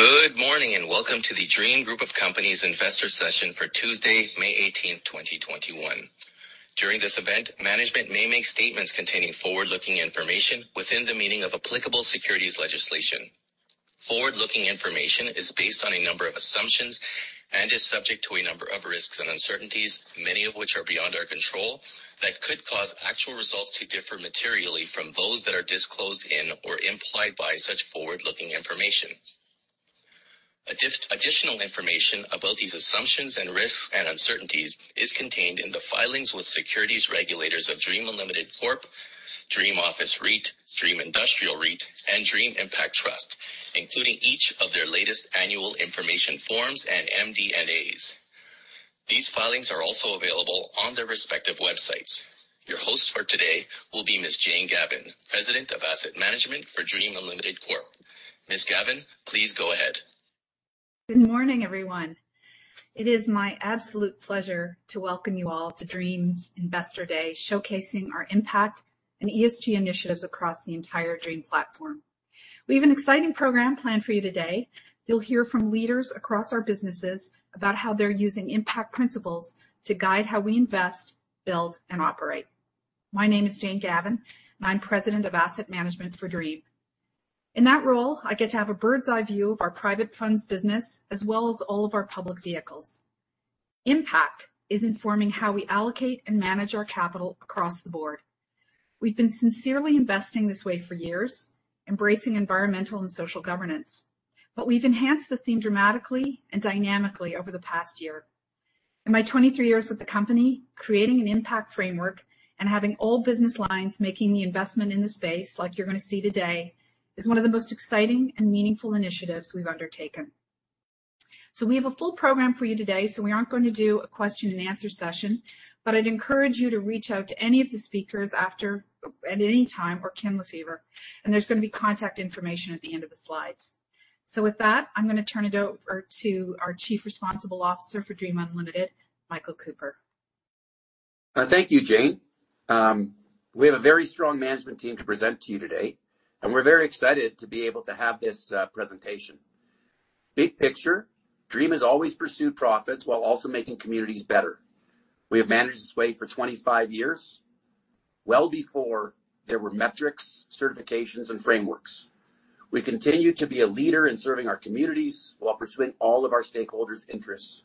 Good morning, welcome to the Dream group of companies investor session for Tuesday, May 18th, 2021. During this event, management may make statements containing forward-looking information within the meaning of applicable securities legislation. Forward-looking information is based on a number of assumptions and is subject to a number of risks and uncertainties, many of which are beyond our control, that could cause actual results to differ materially from those that are disclosed in or implied by such forward-looking information. Additional information about these assumptions and risks and uncertainties is contained in the filings with securities regulators of Dream Unlimited Corp., Dream Office REIT, Dream Industrial REIT, and Dream Impact Trust, including each of their latest annual information forms and MD&As. These filings are also available on their respective websites. Your host for today will be Ms. Jane Gavan, President of Asset Management for Dream Unlimited Corp. Ms. Gavan, please go ahead. Good morning, everyone. It is my absolute pleasure to welcome you all to Dream's Investor Day, showcasing our impact and ESG initiatives across the entire Dream platform. We have an exciting program planned for you today. You'll hear from leaders across our businesses about how they're using impact principles to guide how we invest, build, and operate. My name is Jane Gavan. I'm President of Asset Management for Dream. In that role, I get to have a bird's eye view of our private funds business as well as all of our public vehicles. Impact is informing how we allocate and manage our capital across the board. We've been sincerely investing this way for years, embracing environmental and social governance, but we've enhanced the theme dramatically and dynamically over the past year. In my 23 years with the company, creating an impact framework and having all business lines making the investment in the space like you're going to see today is one of the most exciting and meaningful initiatives we've undertaken. We have a full program for you today, so we aren't going to do a question and answer session, but I'd encourage you to reach out to any of the speakers after at any time or Kim Lefever, and there's going to be contact information at the end of the slides. With that, I'm going to turn it over to our Chief Responsible Officer for DREAM Unlimited, Michael Cooper. Thank you, Jane. We have a very strong management team to present to you today, we're very excited to be able to have this presentation. Big picture, Dream has always pursued profits while also making communities better. We have managed this way for 25 years, well before there were metrics, certifications, and frameworks. We continue to be a leader in serving our communities while pursuing all of our stakeholders' interests.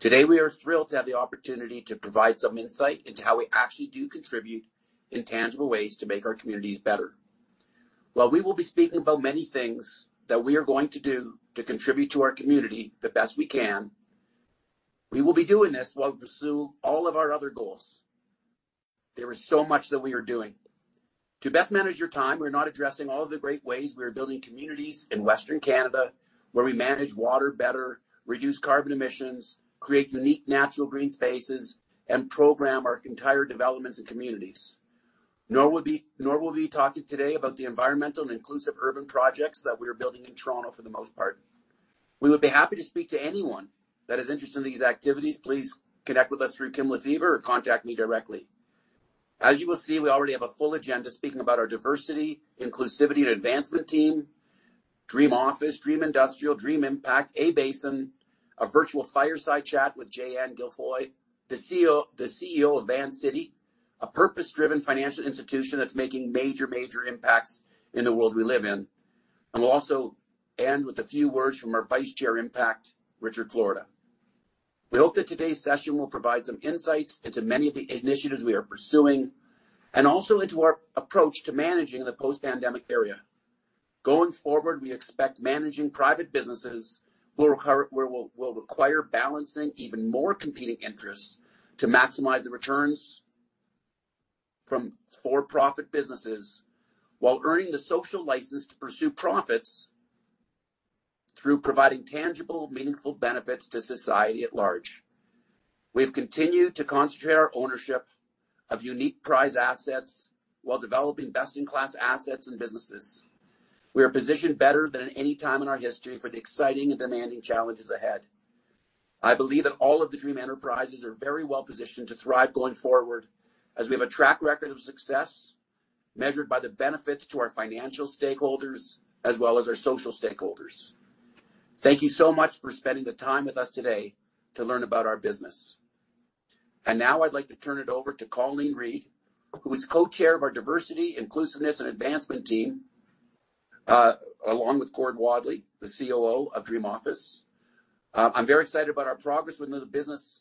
Today, we are thrilled to have the opportunity to provide some insight into how we actually do contribute in tangible ways to make our communities better. While we will be speaking about many things that we are going to do to contribute to our community the best we can, we will be doing this while pursuing all of our other goals. There is so much that we are doing. To best manage your time, we're not addressing all of the great ways we are building communities in Western Canada, where we manage water better, reduce carbon emissions, create unique natural green spaces, and program our entire developments and communities, nor will we be talking today about the environmental and inclusive urban projects that we are building in Toronto for the most part. We would be happy to speak to anyone that is interested in these activities. Please connect with us through Kim Lefever or contact me directly. As you will see, we already have a full agenda speaking about our diversity, inclusivity, and advancement team, DREAM Office, DREAM Industrial, DREAM Impact, A-Basin, a virtual fireside chat with Jay-Ann Gilfoy, the CEO of Vancity, a purpose-driven financial institution that's making major impacts in the world we live in. We'll also end with a few words from our Vice Chair Impact, Richard Florida. We hope that today's session will provide some insights into many of the initiatives we are pursuing and also into our approach to managing the post-pandemic era. Going forward, we expect managing private businesses will require balancing even more competing interests to maximize the returns for profit businesses while earning the social license to pursue profits through providing tangible, meaningful benefits to society at large. We've continued to concentrate our ownership of unique prize assets while developing best-in-class assets and businesses. We are positioned better than any time in our history for the exciting and demanding challenges ahead. I believe that all of the DREAM enterprises are very well positioned to thrive going forward as we have a track record of success measured by the benefits to our financial stakeholders as well as our social stakeholders. Thank you so much for spending the time with us today to learn about our business. Now I'd like to turn it over to Colleen Reid, who is co-chair of our diversity, inclusiveness, and advancement team, along with Gord Wadley, the COO of Dream Office REIT. I'm very excited about our progress within the business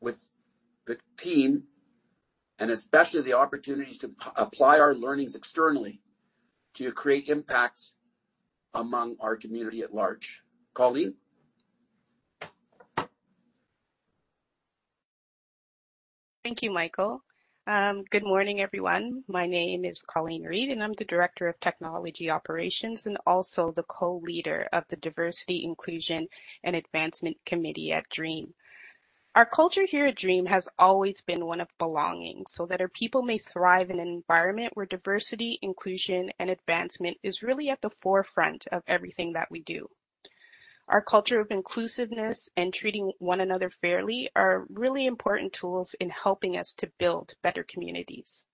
with the team and especially the opportunity to apply our learnings externally to create impact among our community at large. Colleen? Thank you, Michael. Good morning, everyone. My name is Colleen Reid, and I'm the Director of Technology Operations and also the co-leader of the Diversity, Inclusion, and Advancement Committee at DREAM. Our culture here at DREAM has always been one of belonging so that our people may thrive in an environment where diversity, inclusion, and advancement is really at the forefront of everything that we do. Our culture of inclusiveness and treating one another fairly are really important tools in helping us to build better communities.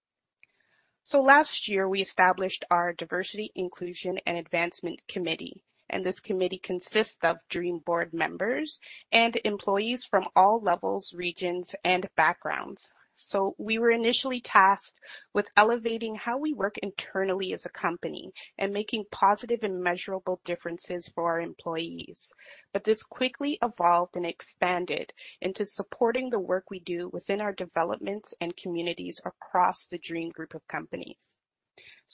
Last year, we established our Diversity Inclusion and Advancement Committee, and this committee consists of DREAM board members and employees from all levels, regions, and backgrounds. We were initially tasked with elevating how we work internally as a company and making positive and measurable differences for our employees. This quickly evolved and expanded into supporting the work we do within our developments and communities across the Dream group of companies.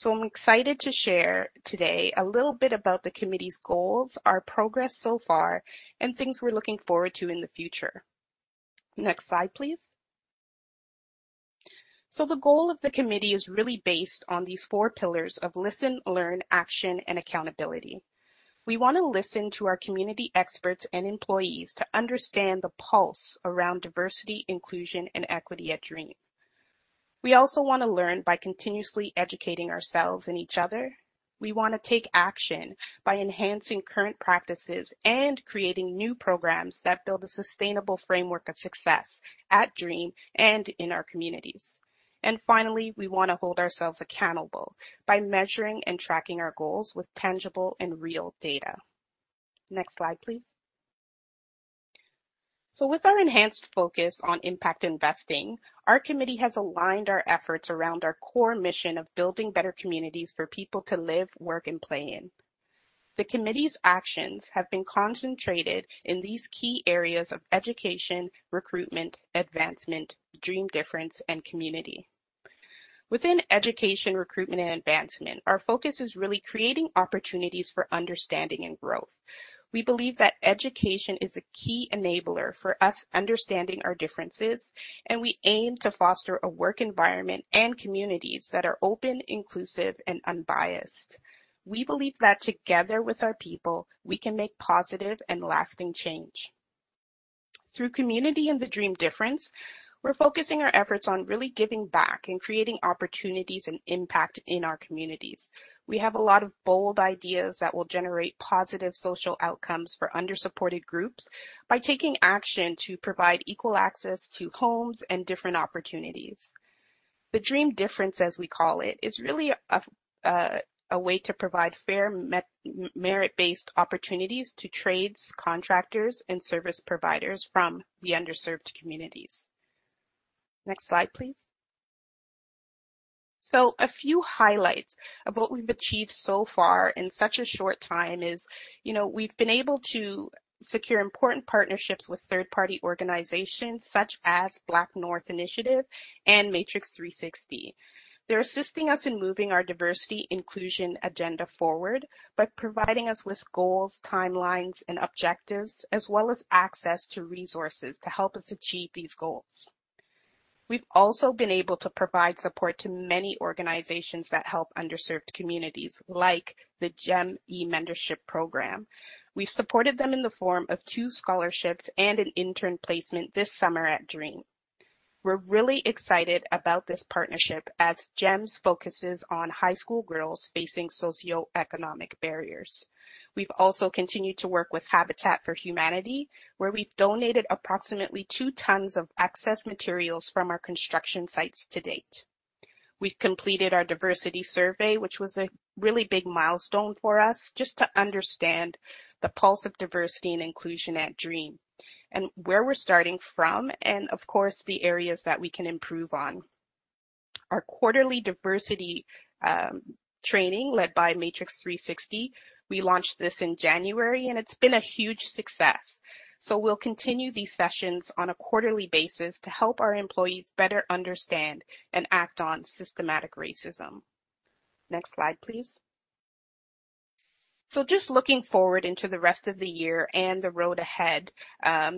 I'm excited to share today a little bit about the committee's goals, our progress so far, and things we're looking forward to in the future. Next slide, please. The goal of the committee is really based on these four pillars of listen, learn, action, and accountability. We want to listen to our community experts and employees to understand the pulse around diversity, inclusion, and equity at Dream. We also want to learn by continuously educating ourselves and each other. We want to take action by enhancing current practices and creating new programs that build a sustainable framework of success at Dream and in our communities. Finally, we want to hold ourselves accountable by measuring and tracking our goals with tangible and real data. Next slide, please. With our enhanced focus on impact investing, our committee has aligned our efforts around our core mission of building better communities for people to live, work, and play in. The committee's actions have been concentrated in these key areas of education, recruitment, advancement, DREAM Difference, and community. Within education, recruitment, and advancement, our focus is really creating opportunities for understanding and growth. We believe that education is a key enabler for us understanding our differences, and we aim to foster a work environment and communities that are open, inclusive, and unbiased. We believe that together with our people, we can make positive and lasting change. Through community and the DREAM Difference, we're focusing our efforts on really giving back and creating opportunities and impact in our communities. We have a lot of bold ideas that will generate positive social outcomes for under-supported groups by taking action to provide equal access to homes and different opportunities. The DREAM Difference, as we call it, is really a way to provide fair merit-based opportunities to trades, contractors, and service providers from the underserved communities. Next slide, please. A few highlights of what we've achieved so far in such a short time is we've been able to secure important partnerships with third-party organizations such as BlackNorth Initiative and Matrix360. They're assisting us in moving our diversity inclusion agenda forward by providing us with goals, timelines, and objectives, as well as access to resources to help us achieve these goals. We've also been able to provide support to many organizations that help underserved communities, like the GEM eMentorship Program. We've supported them in the form of two scholarships and an intern placement this summer at DREAM. We're really excited about this partnership as GEMs focuses on high school girls facing socioeconomic barriers. We've also continued to work with Habitat for Humanity, where we've donated approximately two tons of excess materials from our construction sites to date. We've completed our diversity survey, which was a really big milestone for us just to understand the pulse of diversity and inclusion at DREAM and where we're starting from, and of course, the areas that we can improve on. Our quarterly diversity training led by Matrix360. We launched this in January, and it's been a huge success. We'll continue these sessions on a quarterly basis to help our employees better understand and act on systemic racism. Next slide, please. Just looking forward into the rest of the year and the road ahead,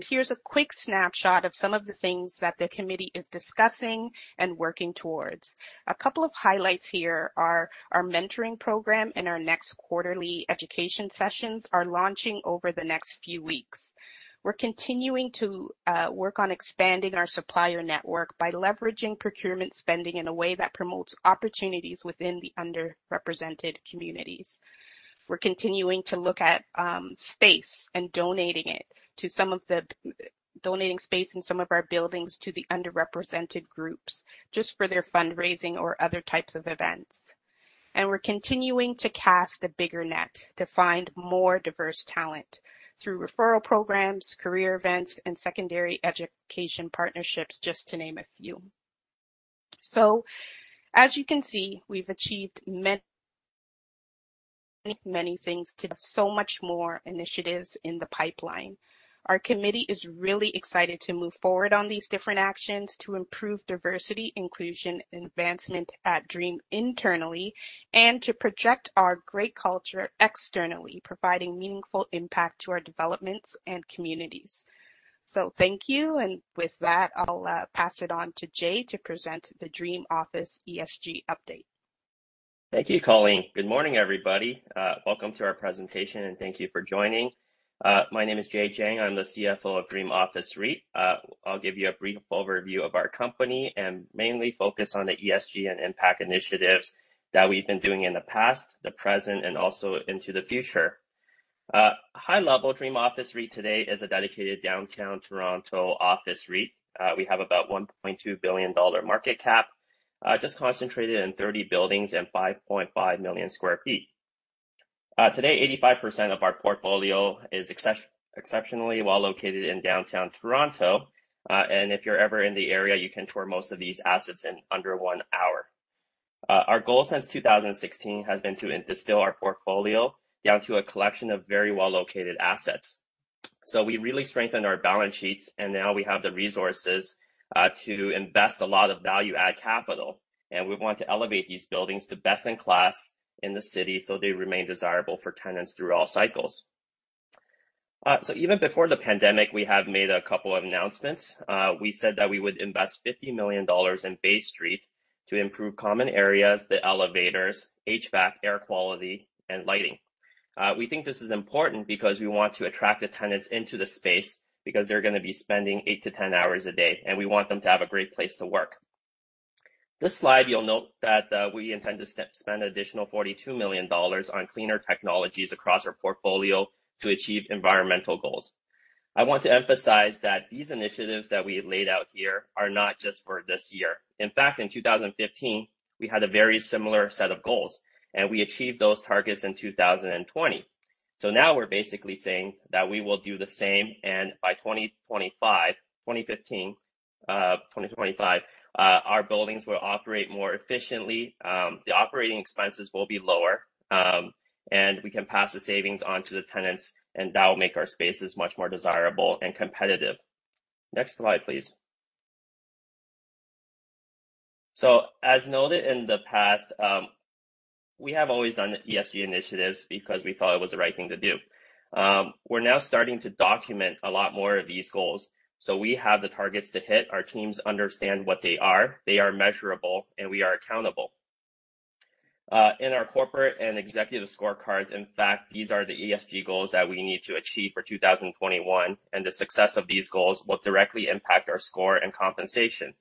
here's a quick snapshot of some of the things that the committee is discussing and working towards. A couple of highlights here are our mentoring program and our next quarterly education sessions are launching over the next few weeks. We're continuing to work on expanding our supplier network by leveraging procurement spending in a way that promotes opportunities within the underrepresented communities. We're continuing to look at space and donating space in some of our buildings to the underrepresented groups just for their fundraising or other types of events. We're continuing to cast a bigger net to find more diverse talent through referral programs, career events, and secondary education partnerships, just to name a few. As you can see, we've achieved many things to so much more initiatives in the pipeline. Our committee is really excited to move forward on these different actions to improve diversity, inclusion, and advancement at Dream internally and to project our great culture externally, providing meaningful impact to our developments and communities. Thank you. With that, I'll pass it on to Jay to present the Dream Office ESG update. Thank you, Colleen. Good morning, everybody. Welcome to our presentation. Thank you for joining. My name is Jay Jiang. I'm the CFO of DREAM Office REIT. I'll give you a brief overview of our company and mainly focus on the ESG and impact initiatives that we've been doing in the past, the present, and also into the future. High level DREAM Office REIT today is a dedicated downtown Toronto office REIT. We have about 1.2 billion dollar market cap, just concentrated in 30 buildings and 5.5 million sq ft. Today, 85% of our portfolio is exceptionally well located in downtown Toronto. If you're ever in the area, you can tour most of these assets in under one hour. Our goal since 2016 has been to distill our portfolio down to a collection of very well-located assets. We really strengthened our balance sheets, and now we have the resources to invest a lot of value add capital. We want to elevate these buildings to best in class in the city so they remain desirable for tenants through all cycles. Even before the pandemic, we have made a couple of announcements. We said that we would invest 50 million dollars in Bay Street to improve common areas, the elevators, HVAC, air quality and lighting. We think this is important because we want to attract the tenants into the space because they're going to be spending eight to 10 hours a day, and we want them to have a great place to work. This slide, you'll note that we intend to spend an additional 42 million dollars on cleaner technologies across our portfolio to achieve environmental goals. I want to emphasize that these initiatives that we laid out here are not just for this year. In fact, in 2015, we had a very similar set of goals, and we achieved those targets in 2020. Now we're basically saying that we will do the same, and by 2025, our buildings will operate more efficiently, the operating expenses will be lower, and we can pass the savings on to the tenants, and that will make our spaces much more desirable and competitive. Next slide, please. As noted in the past, we have always done ESG initiatives because we thought it was the right thing to do. We're now starting to document a lot more of these goals. We have the targets to hit. Our teams understand what they are. They are measurable, and we are accountable. In our corporate and executive scorecards, in fact, these are the ESG goals that we need to achieve for 2021. The success of these goals will directly impact our score and compensation.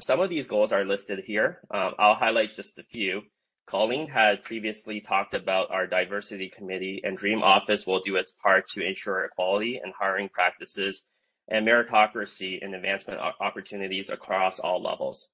Some of these goals are listed here. I'll highlight just a few. Colleen had previously talked about our diversity committee. DREAM Office will do its part to ensure equality in hiring practices and meritocracy and advancement opportunities across all levels.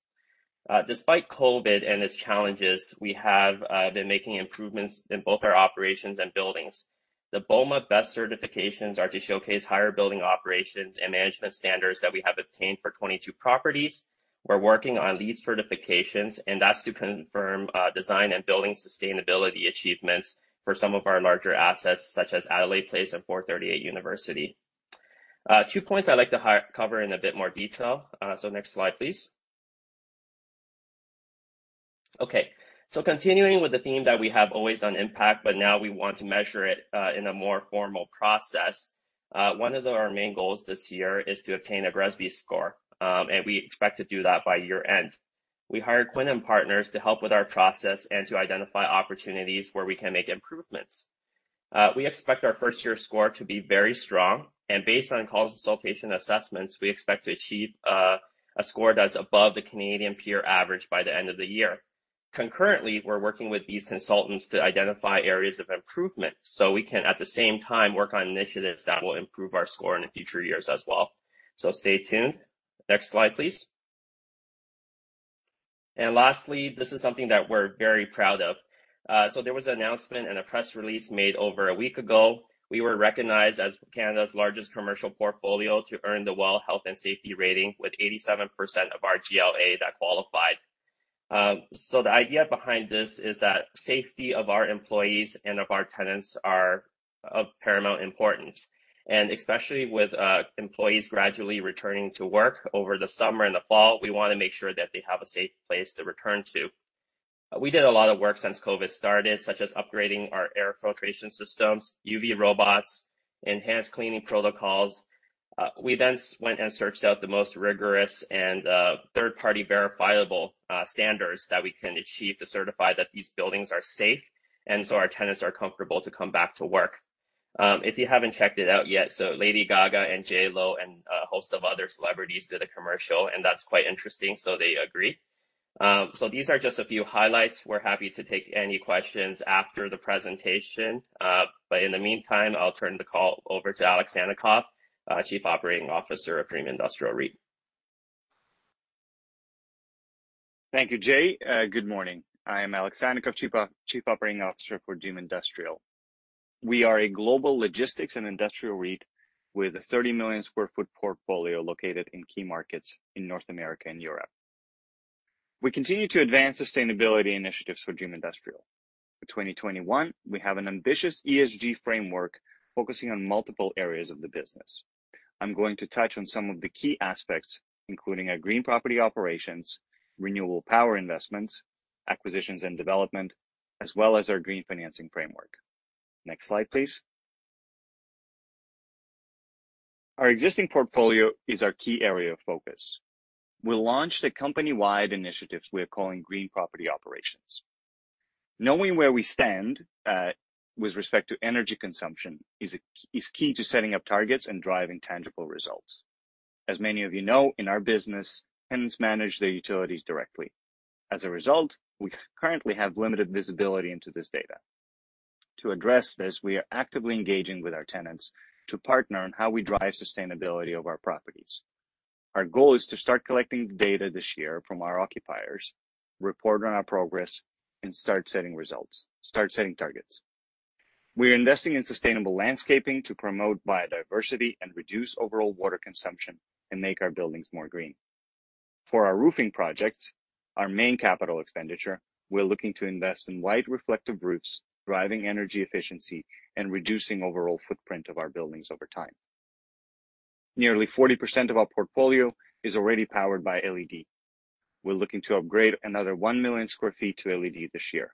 Despite COVID and its challenges, we have been making improvements in both our operations and buildings. The BOMA BEST certifications are to showcase higher building operations and management standards that we have obtained for 22 properties. We're working on LEED certifications. That's to confirm design and building sustainability achievements for some of our larger assets, such as Adelaide Place and 438 University. Two points I'd like to cover in a bit more detail. Next slide, please. Continuing with the theme that we have always done impact, but now we want to measure it in a more formal process. One of our main goals this year is to obtain a GRESB score. We expect to do that by year-end. We hired Quinn+Partners to help with our process and to identify opportunities where we can make improvements. We expect our first-year score to be very strong. Based on consultation assessments, we expect to achieve a score that's above the Canadian peer average by the end of the year. Concurrently, we're working with these consultants to identify areas of improvement so we can, at the same time, work on initiatives that will improve our score in the future years as well. Stay tuned. Next slide, please. Lastly, this is something that we're very proud of. There was an announcement and a press release made over a week ago. We were recognized as Canada's largest commercial portfolio to earn the WELL Health-Safety Rating with 87% of our GLA that qualified. The idea behind this is that safety of our employees and of our tenants are of paramount importance. Especially with employees gradually returning to work over the summer and the fall, we want to make sure that they have a safe place to return to. We did a lot of work since COVID started, such as upgrading our air filtration systems, UV robots, enhanced cleaning protocols. We then went and searched out the most rigorous and third-party verifiable standards that we can achieve to certify that these buildings are safe and so our tenants are comfortable to come back to work. If you haven't checked it out yet, Lady Gaga and J.Lo and a host of other celebrities did a commercial, and that's quite interesting. They agree. These are just a few highlights. We're happy to take any questions after the presentation. In the meantime, I'll turn the call over to Alexander Sannikov, Chief Operating Officer of DREAM Industrial REIT. Thank you, Jay. Good morning. I am Alexander Sannikov, Chief Operating Officer for DREAM Industrial. We are a global logistics and industrial REIT with a 30-million-square-foot portfolio located in key markets in North America and Europe. We continue to advance sustainability initiatives for DREAM Industrial. For 2021, we have an ambitious ESG framework focusing on multiple areas of the business. I'm going to touch on some of the key aspects, including our Green Property Operations, renewable power investments, acquisitions and development, as well as our green financing framework. Next slide, please. Our existing portfolio is our key area of focus. We launched a company-wide initiative we're calling Green Property Operations. Knowing where we stand with respect to energy consumption is key to setting up targets and driving tangible results. As many of you know, in our business, tenants manage their utilities directly. As a result, we currently have limited visibility into this data. To address this, we are actively engaging with our tenants to partner on how we drive sustainability of our properties. Our goal is to start collecting data this year from our occupiers, report on our progress, and start setting targets. We are investing in sustainable landscaping to promote biodiversity and reduce overall water consumption and make our buildings more green. For our roofing projects, our main capital expenditure, we're looking to invest in wide reflective roofs, driving energy efficiency and reducing overall footprint of our buildings over time. Nearly 40% of our portfolio is already powered by LED. We're looking to upgrade another 1 million sq ft to LED this year.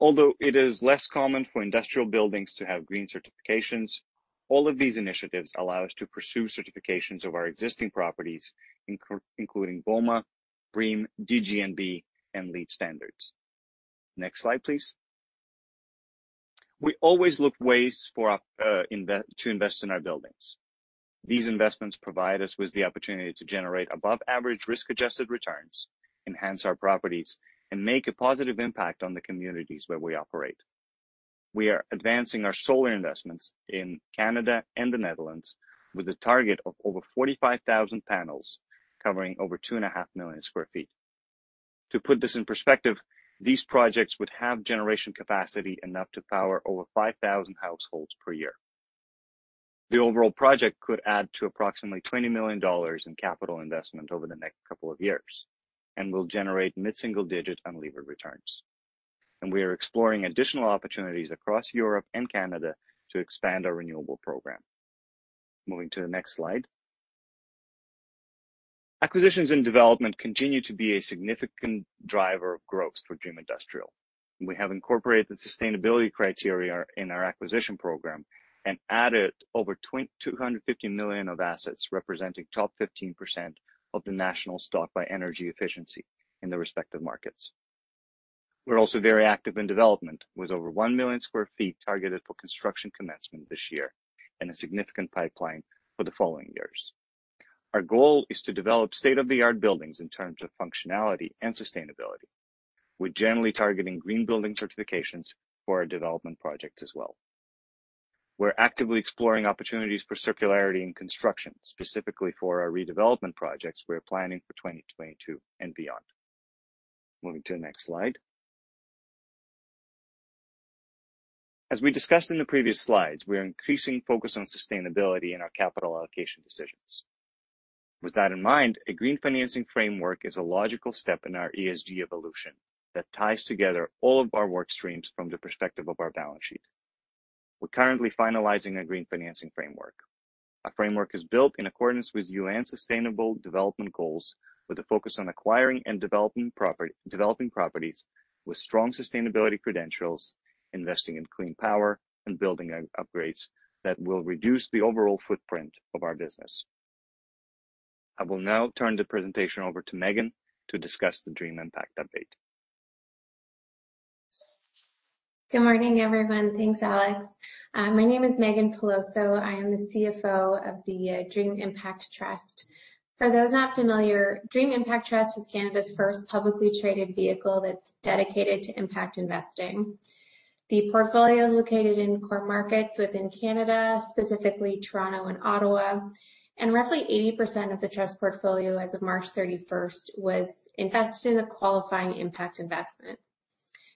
Although it is less common for industrial buildings to have green certifications, all of these initiatives allow us to pursue certifications of our existing properties including BOMA, BREEAM, DGNB, and LEED standards. Next slide, please. We always look ways to invest in our buildings. These investments provide us with the opportunity to generate above-average risk-adjusted returns, enhance our properties, and make a positive impact on the communities where we operate. We are advancing our solar investments in Canada and the Netherlands with a target of over 45,000 panels covering over two and a half million sq ft. To put this in perspective, these projects would have generation capacity enough to power over 5,000 households per year. The overall project could add to approximately 20 million dollars in capital investment over the next couple of years and will generate mid-single digit unlevered returns. We are exploring additional opportunities across Europe and Canada to expand our renewable program. Moving to the next slide. Acquisitions and development continue to be a significant driver of growth for DREAM Industrial. We have incorporated the sustainability criteria in our acquisition program and added over 250 million of assets representing top 15% of the national stock by energy efficiency in the respective markets. We're also very active in development, with over 1 million sq ft targeted for construction commencement this year and a significant pipeline for the following years. Our goal is to develop state-of-the-art buildings in terms of functionality and sustainability. We're generally targeting green building certifications for our development projects as well. We're actively exploring opportunities for circularity in construction, specifically for our redevelopment projects we're planning for 2022 and beyond. Moving to the next slide. As we discussed in the previous slides, we are increasing focus on sustainability in our capital allocation decisions. With that in mind, a green financing framework is a logical step in our ESG evolution that ties together all of our work streams from the perspective of our balance sheet. We're currently finalizing a green financing framework. Our framework is built in accordance with UN Sustainable Development Goals, with a focus on acquiring and developing properties with strong sustainability credentials, investing in clean power, and building upgrades that will reduce the overall footprint of our business. I will now turn the presentation over to Meaghan to discuss the Dream Impact Update. Good morning, everyone. Thanks, Alex. My name is Meaghan Peloso. I am the CFO of the DREAM Impact Trust. For those not familiar, Dream Impact Trust is Canada's first publicly traded vehicle that's dedicated to impact investing. The portfolio is located in core markets within Canada, specifically Toronto and Ottawa. Roughly 80% of the trust portfolio as of March 31st was invested in a qualifying impact investment.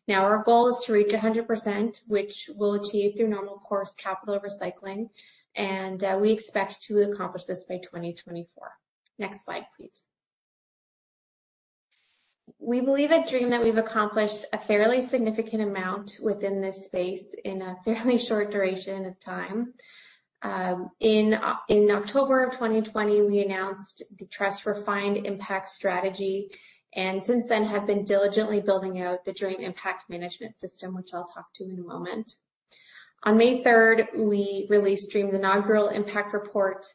Our goal is to reach 100%, which we'll achieve through normal course capital recycling, and we expect to accomplish this by 2024. Next slide, please. We believe at Dream that we've accomplished a fairly significant amount within this space in a fairly short duration of time. In October of 2020, we announced the trust refined impact strategy, and since then have been diligently building out the Dream Impact Management System, which I'll talk to in a moment. On May 3rd, we released Dream's inaugural impact report.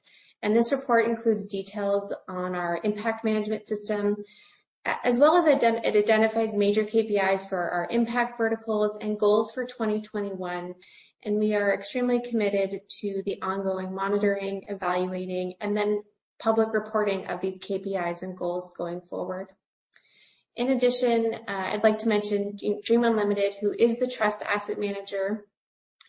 This report includes details on our Dream Impact Management System. As well as it identifies major KPIs for our impact verticals and goals for 2021. We are extremely committed to the ongoing monitoring, evaluating, and then public reporting of these KPIs and goals going forward. In addition, I'd like to mention Dream Unlimited, who is the trust asset manager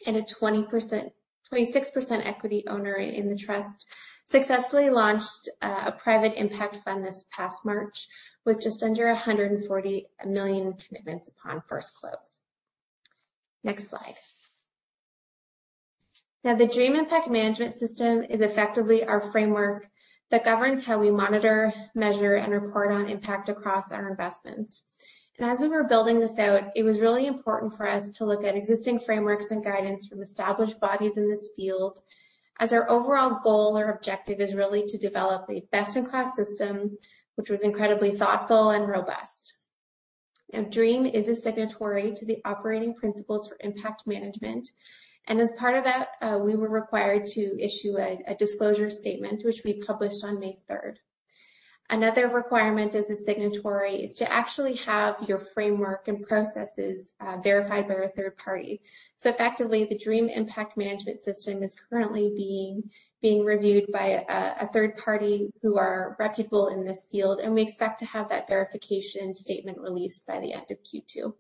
and a 26% equity owner in the trust, successfully launched a private impact fund this past March with just under 140 million commitments upon first close. Next slide. The Dream Impact Management System is effectively our framework that governs how we monitor, measure, and report on impact across our investments. As we were building this out, it was really important for us to look at existing frameworks and guidance from established bodies in this field, as our overall goal or objective is really to develop a best-in-class system, which was incredibly thoughtful and robust. DREAM is a signatory to the Operating Principles for Impact Management, and as part of that, we were required to issue a disclosure statement, which we published on May 3rd. Another requirement as a signatory is to actually have your framework and processes verified by a third party. Effectively, the Dream Impact Management System is currently being reviewed by a third party who are reputable in this field, and we expect to have that verification statement released by the end of Q2.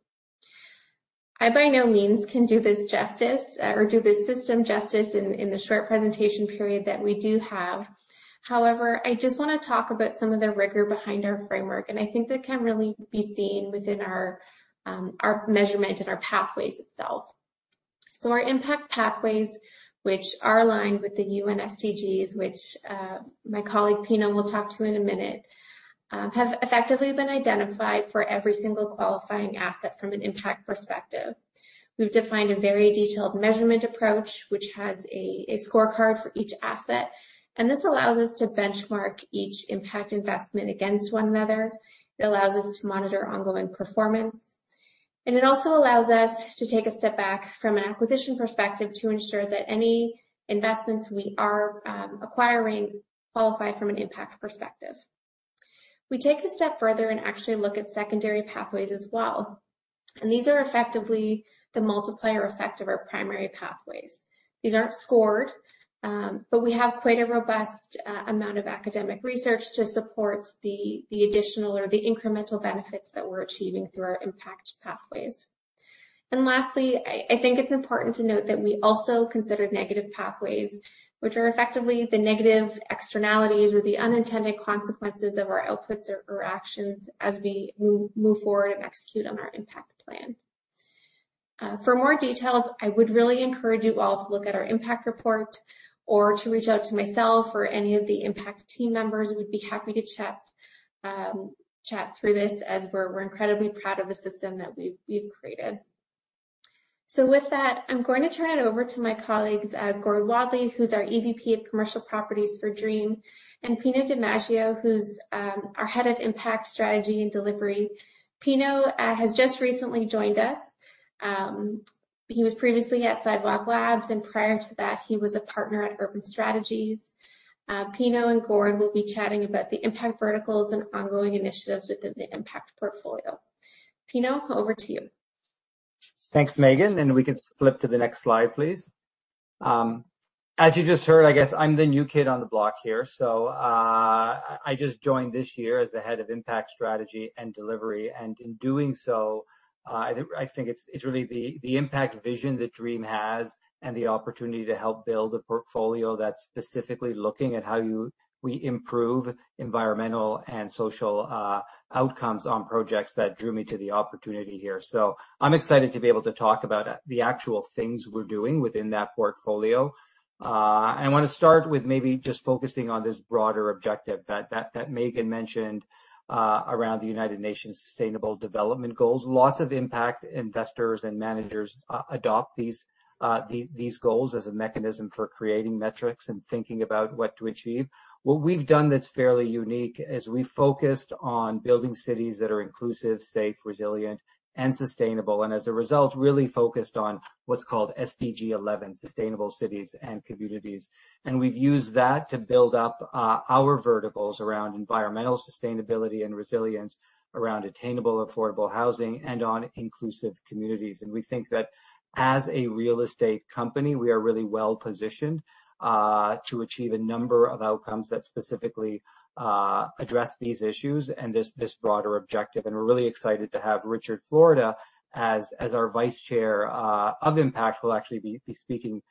I, by no means, can do this justice or do this system justice in the short presentation period that we do have. I just want to talk about some of the rigor behind our framework, and I think that can really be seen within our measurement and our pathways itself. Our impact pathways, which are aligned with the UN SDGs, which my colleague Pino will talk to in a minute, have effectively been identified for every single qualifying asset from an impact perspective. We've defined a very detailed measurement approach, which has a scorecard for each asset, and this allows us to benchmark each impact investment against one another. It allows us to monitor ongoing performance, and it also allows us to take a step back from an acquisition perspective to ensure that any investments we are acquiring qualify from an impact perspective. We take a step further and actually look at secondary pathways as well. These are effectively the multiplier effect of our primary pathways. These aren't scored, we have quite a robust amount of academic research to support the additional or the incremental benefits that we're achieving through our impact pathways. Lastly, I think it's important to note that we also considered negative pathways, which are effectively the negative externalities or the unintended consequences of our outputs or actions as we move forward and execute on our impact plan. For more details, I would really encourage you all to look at our impact report or to reach out to myself or any of the impact team members. We'd be happy to chat through this as we're incredibly proud of the system that we've created. With that, I'm going to turn it over to my colleagues, Gord Wadley, who's our EVP of Commercial Properties for Dream, and Pino Di Mascio, who's our Head of Impact Strategy and Delivery. Pino has just recently joined us. He was previously at Sidewalk Labs, and prior to that, he was a partner at Urban Strategies. Pino and Gord will be chatting about the impact verticals and ongoing initiatives within the impact portfolio. Pino, over to you. Thanks, Meaghan, and we can flip to the next slide, please. As you just heard, I guess I'm the new kid on the block here. I just joined this year as the Head of Impact Strategy and Delivery, and in doing so, I think it's really the impact vision that Dream has and the opportunity to help build a portfolio that's specifically looking at how we improve environmental and social outcomes on projects that drew me to the opportunity here. I'm excited to be able to talk about the actual things we're doing within that portfolio. I want to start with maybe just focusing on this broader objective that Meaghan Peloso mentioned around the United Nations Sustainable Development Goals. Lots of impact investors and managers adopt these goals as a mechanism for creating metrics and thinking about what to achieve. What we've done that's fairly unique is we focused on building cities that are inclusive, safe, resilient, and sustainable, and as a result, really focused on what's called SDG 11, sustainable cities and communities. We've used that to build up our verticals around environmental sustainability and resilience, around attainable, affordable housing, and on inclusive communities. We think that as a real estate company, we are really well-positioned to achieve a number of outcomes that specifically address these issues and this broader objective. We're really excited to have Richard Florida as our vice chair of Impact, will actually be speaking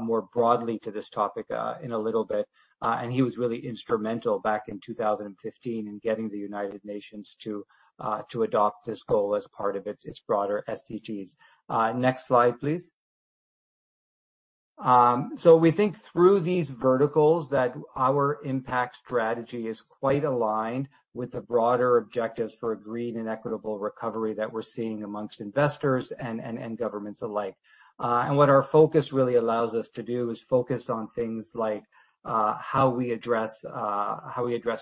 more broadly to this topic in a little bit. He was really instrumental back in 2015 in getting the United Nations to adopt this goal as part of its broader SDGs. Next slide, please. We think through these verticals that our impact strategy is quite aligned with the broader objectives for a green and equitable recovery that we're seeing amongst investors and governments alike. What our focus really allows us to do is focus on things like how we address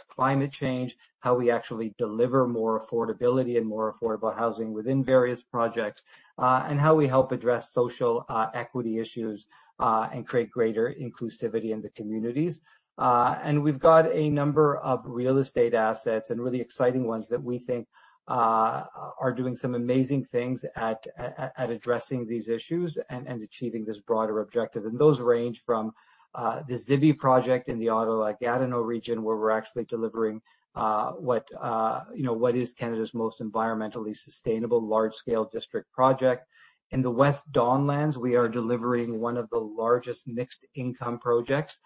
climate change, how we actually deliver more affordability and more affordable housing within various projects, and how we help address social equity issues and create greater inclusivity in the communities. We've got a number of real estate assets and really exciting ones that we think are doing some amazing things at addressing these issues and achieving this broader objective. Those range from the Zibi project in the Ottawa-Gatineau region, where we're actually delivering what is Canada's most environmentally sustainable large-scale district project. In the West Don Lands, we are delivering one of the largest mixed-income projects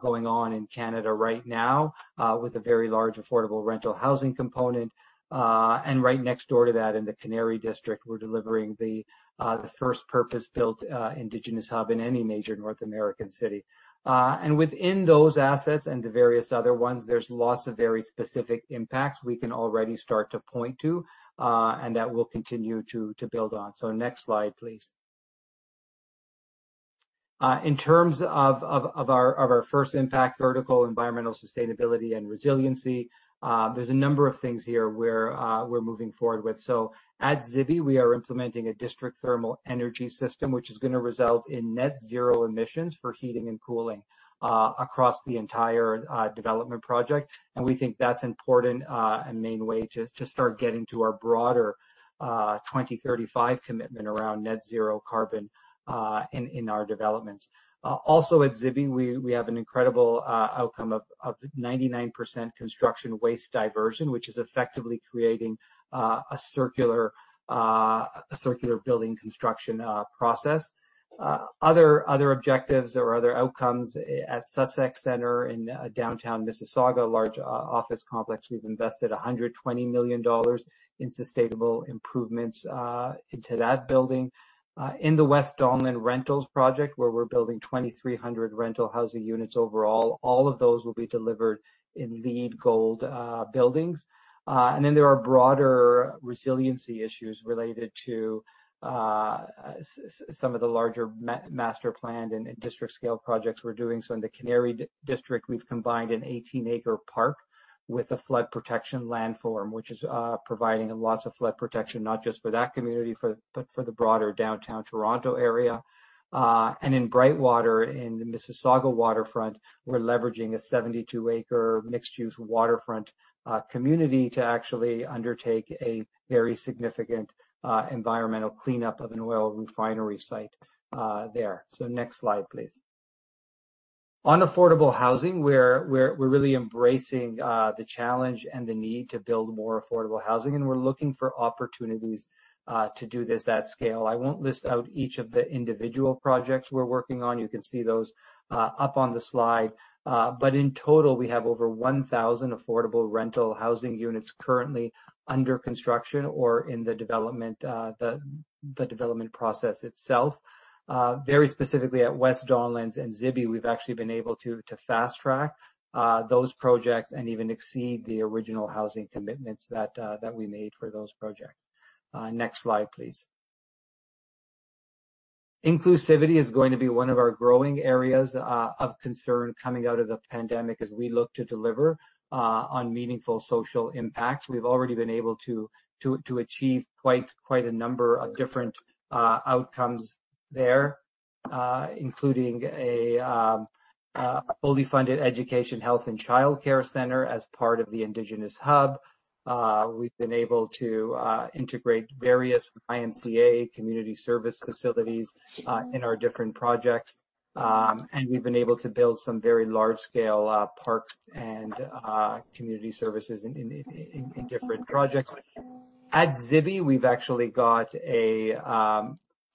going on in Canada right now with a very large affordable rental housing component. Right next door to that, in the Canary District, we're delivering the first purpose-built indigenous hub in any major North American city. Within those assets and the various other ones, there's lots of very specific impacts we can already start to point to, and that we'll continue to build on. Next slide, please. In terms of our first impact vertical, environmental sustainability and resiliency, there's a number of things here we're moving forward with. At Zibi, we are implementing a district thermal energy system, which is going to result in net zero emissions for heating and cooling across the entire development project. We think that's important and main way to start getting to our broader 2035 commitment around net zero carbon in our developments. At Zibi, we have an incredible outcome of 99% construction waste diversion, which is effectively creating a circular building construction process. Other objectives or other outcomes at Sussex Centre in downtown Mississauga, a large office complex, we've invested 120 million dollars in sustainable improvements into that building. In the West Don Lands Rentals project, where we're building 2,300 rental housing units overall, all of those will be delivered in LEED Gold buildings. There are broader resiliency issues related to some of the larger master planned and district scale projects we're doing. In the Canary District, we've combined an 18-acre park with a flood protection landform, which is providing lots of flood protection, not just for that community, but for the broader downtown Toronto area. In Brightwater, in the Mississauga waterfront, we're leveraging a 72-acre mixed-use waterfront community to actually undertake a very significant environmental cleanup of an oil refinery site there. Next slide, please. On affordable housing, we're really embracing the challenge and the need to build more affordable housing, and we're looking for opportunities to do this at scale. I won't list out each of the individual projects we're working on. You can see those up on the slide. In total, we have over 1,000 affordable rental housing units currently under construction or in the development process itself. Very specifically at West Don Lands and Zibi, we've actually been able to fast-track those projects and even exceed the original housing commitments that we made for those projects. Next slide, please. Inclusivity is going to be one of our growing areas of concern coming out of the pandemic as we look to deliver on meaningful social impact. We've already been able to achieve quite a number of different outcomes there, including a fully funded education, health, and childcare center as part of the Indigenous hub. We've been able to integrate various YMCA community service facilities in our different projects. We've been able to build some very large-scale parks and community services in different projects. At Zibi, we've actually got a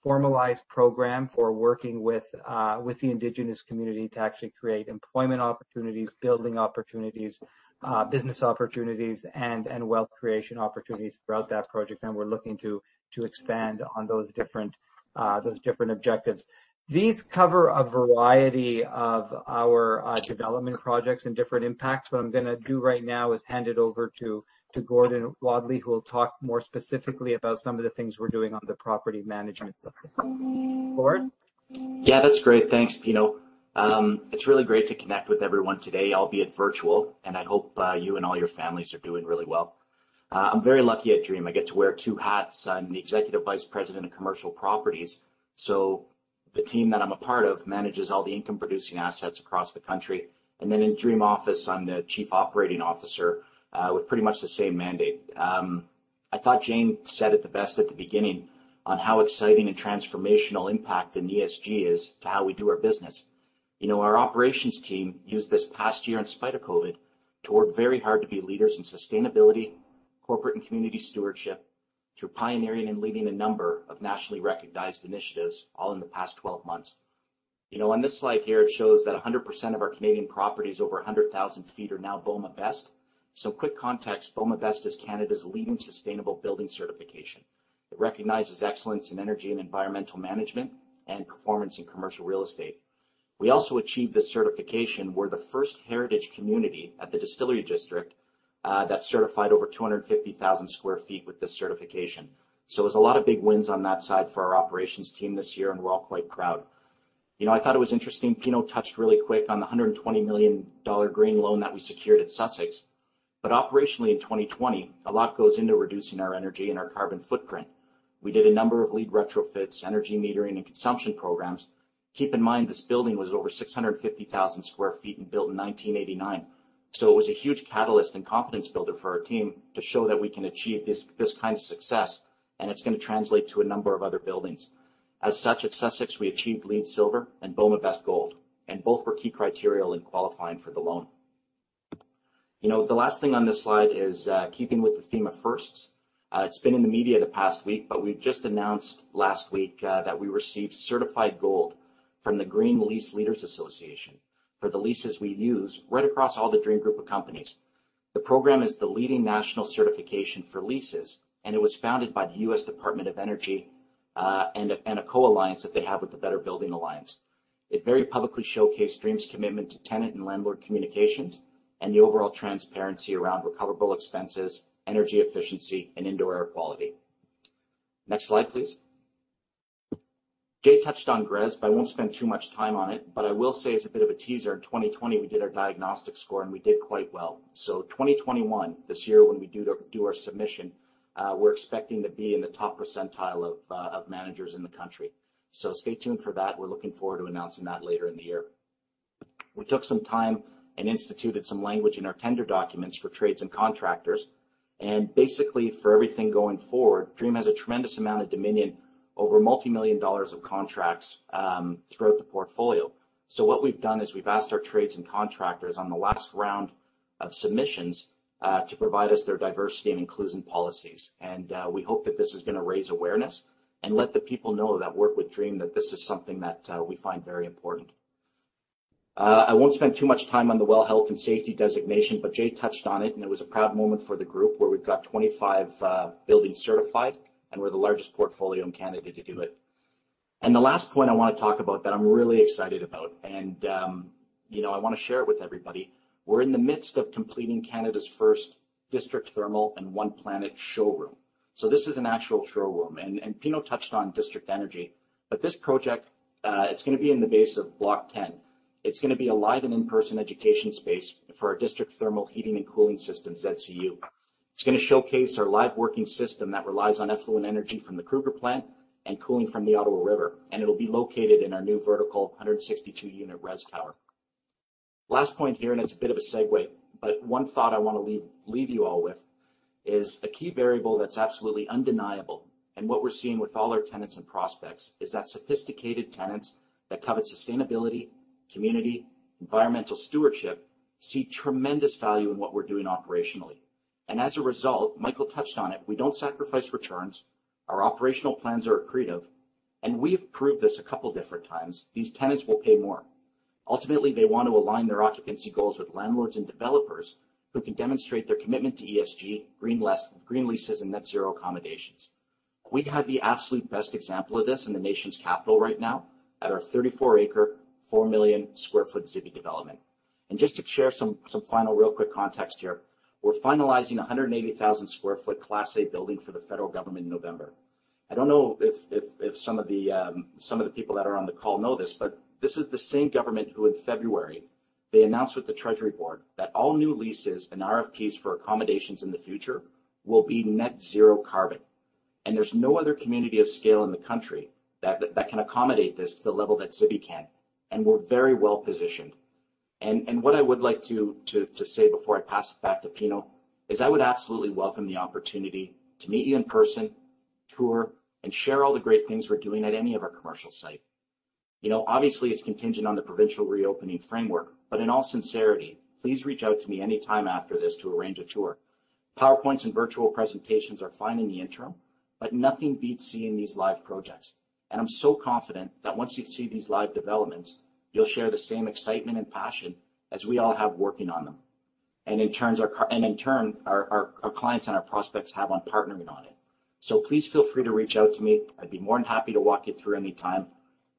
formalized program for working with the Indigenous community to actually create employment opportunities, building opportunities, business opportunities, and wealth creation opportunities throughout that project. We're looking to expand on those different objectives. These cover a variety of our development projects and different impacts. What I'm going to do right now is hand it over to Gordon Wadley, who will talk more specifically about some of the things we're doing on the property management side. Gord? That's great. Thanks, Pino. It's really great to connect with everyone today, albeit virtual, and I hope you and all your families are doing really well. I'm very lucky at Dream. I get to wear two hats. I'm the Executive Vice President of Commercial Properties. The team that I'm a part of manages all the income-producing assets across the country. In Dream Office, I'm the Chief Operating Officer, with pretty much the same mandate. I thought Jane said it the best at the beginning on how exciting a transformational impact in ESG is to how we do our business. Our operations team used this past year, in spite of COVID, to work very hard to be leaders in sustainability, corporate and community stewardship, through pioneering and leading a number of nationally recognized initiatives all in the past 12 months. On this slide here, it shows that 100% of our Canadian properties over 100,000 sq ft are now BOMA BEST. Quick context, BOMA BEST is Canada's leading sustainable building certification. It recognizes excellence in energy and environmental management and performance in commercial real estate. We also achieved this certification. We're the first heritage community at the Distillery District that certified over 250,000 sq ft with this certification. It was a lot of big wins on that side for our operations team this year, and we're all quite proud. I thought it was interesting, Pino touched really quick on the 120 million dollar green loan that we secured at Sussex. Operationally in 2020, a lot goes into reducing our energy and our carbon footprint. We did a number of LEED retrofits, energy metering, and consumption programs. Keep in mind, this building was over 650,000 sq ft and built in 1989. It was a huge catalyst and confidence builder for our team to show that we can achieve this kind of success, and it's going to translate to a number of other buildings. As such, at Sussex, we achieved LEED Silver and BOMA BEST Gold, and both were key criteria in qualifying for the loan. The last thing on this slide is keeping with the theme of firsts. It's been in the media the past week, but we've just announced last week that we received certified gold from the Green Lease Leaders Association for the leases we use right across all the Dream group of companies. The program is the leading national certification for leases, and it was founded by the U.S. Department of Energy, and a co-alliance that they have with the Better Buildings Alliance. It very publicly showcased DREAM's commitment to tenant and landlord communications and the overall transparency around recoverable expenses, energy efficiency, and indoor air quality. Next slide, please. Jay touched on GRESB, I won't spend too much time on it. I will say as a bit of a teaser, in 2020, we did our diagnostic score, and we did quite well. 2021, this year, when we do our submission, we're expecting to be in the top percentile of managers in the country. Stay tuned for that. We're looking forward to announcing that later in the year. We took some time and instituted some language in our tender documents for trades and contractors. Basically for everything going forward, DREAM has a tremendous amount of dominion over CAD multimillion of contracts throughout the portfolio. What we've done is we've asked our trades and contractors on the last round of submissions to provide us their diversity and inclusion policies. We hope that this is going to raise awareness and let the people know that work with Dream, that this is something that we find very important. I won't spend too much time on the WELL Health-Safety Rating, but Jay Jiang touched on it, and it was a proud moment for the group where we've got 25 buildings certified, and we're the largest portfolio in Canada to do it. The last point I want to talk about that I'm really excited about and I want to share it with everybody. We're in the midst of completing Canada's first district thermal and One Planet showroom. This is an actual showroom, and Pino Di Mascio touched on district energy. This project, it's going to be in the base of Block 10. It's going to be a live and in-person education space for our district thermal heating and cooling systems ZCU. It's going to showcase our live working system that relies on effluent energy from the Kruger plant and cooling from the Ottawa River, and it'll be located in our new vertical 162-unit res tower. Last point here, and it's a bit of a segue, but one thought I want to leave you all with is a key variable that's absolutely undeniable, and what we're seeing with all our tenants and prospects is that sophisticated tenants that covet sustainability, community, environmental stewardship see tremendous value in what we're doing operationally. As a result, Michael touched on it, we don't sacrifice returns. Our operational plans are accretive, we've proved this a couple different times. These tenants will pay more. Ultimately, they want to align their occupancy goals with landlords and developers who can demonstrate their commitment to ESG, green leases, and net zero accommodations. We have the absolute best example of this in the nation's capital right now at our 34 acres, 4 million square foot Zibi development. Just to share some final real quick context here, we're finalizing 180,000 square foot Class A building for the federal government in November. I don't know if some of the people that are on the call know this is the same government who in February, they announced with the Treasury Board that all new leases and RFPs for accommodations in the future will be net zero carbon. There's no other community of scale in the country that can accommodate this to the level that Zibi can. We're very well positioned. What I would like to say before I pass it back to Pino is I would absolutely welcome the opportunity to meet you in person, tour, and share all the great things we're doing at any of our commercial site. Obviously, it's contingent on the provincial reopening framework, but in all sincerity, please reach out to me anytime after this to arrange a tour. PowerPoints and virtual presentations are fine in the interim, but nothing beats seeing these live projects. I'm so confident that once you see these live developments, you'll share the same excitement and passion as we all have working on them. In turn, our clients and our prospects have on partnering on it. Please feel free to reach out to me. I'd be more than happy to walk you through anytime,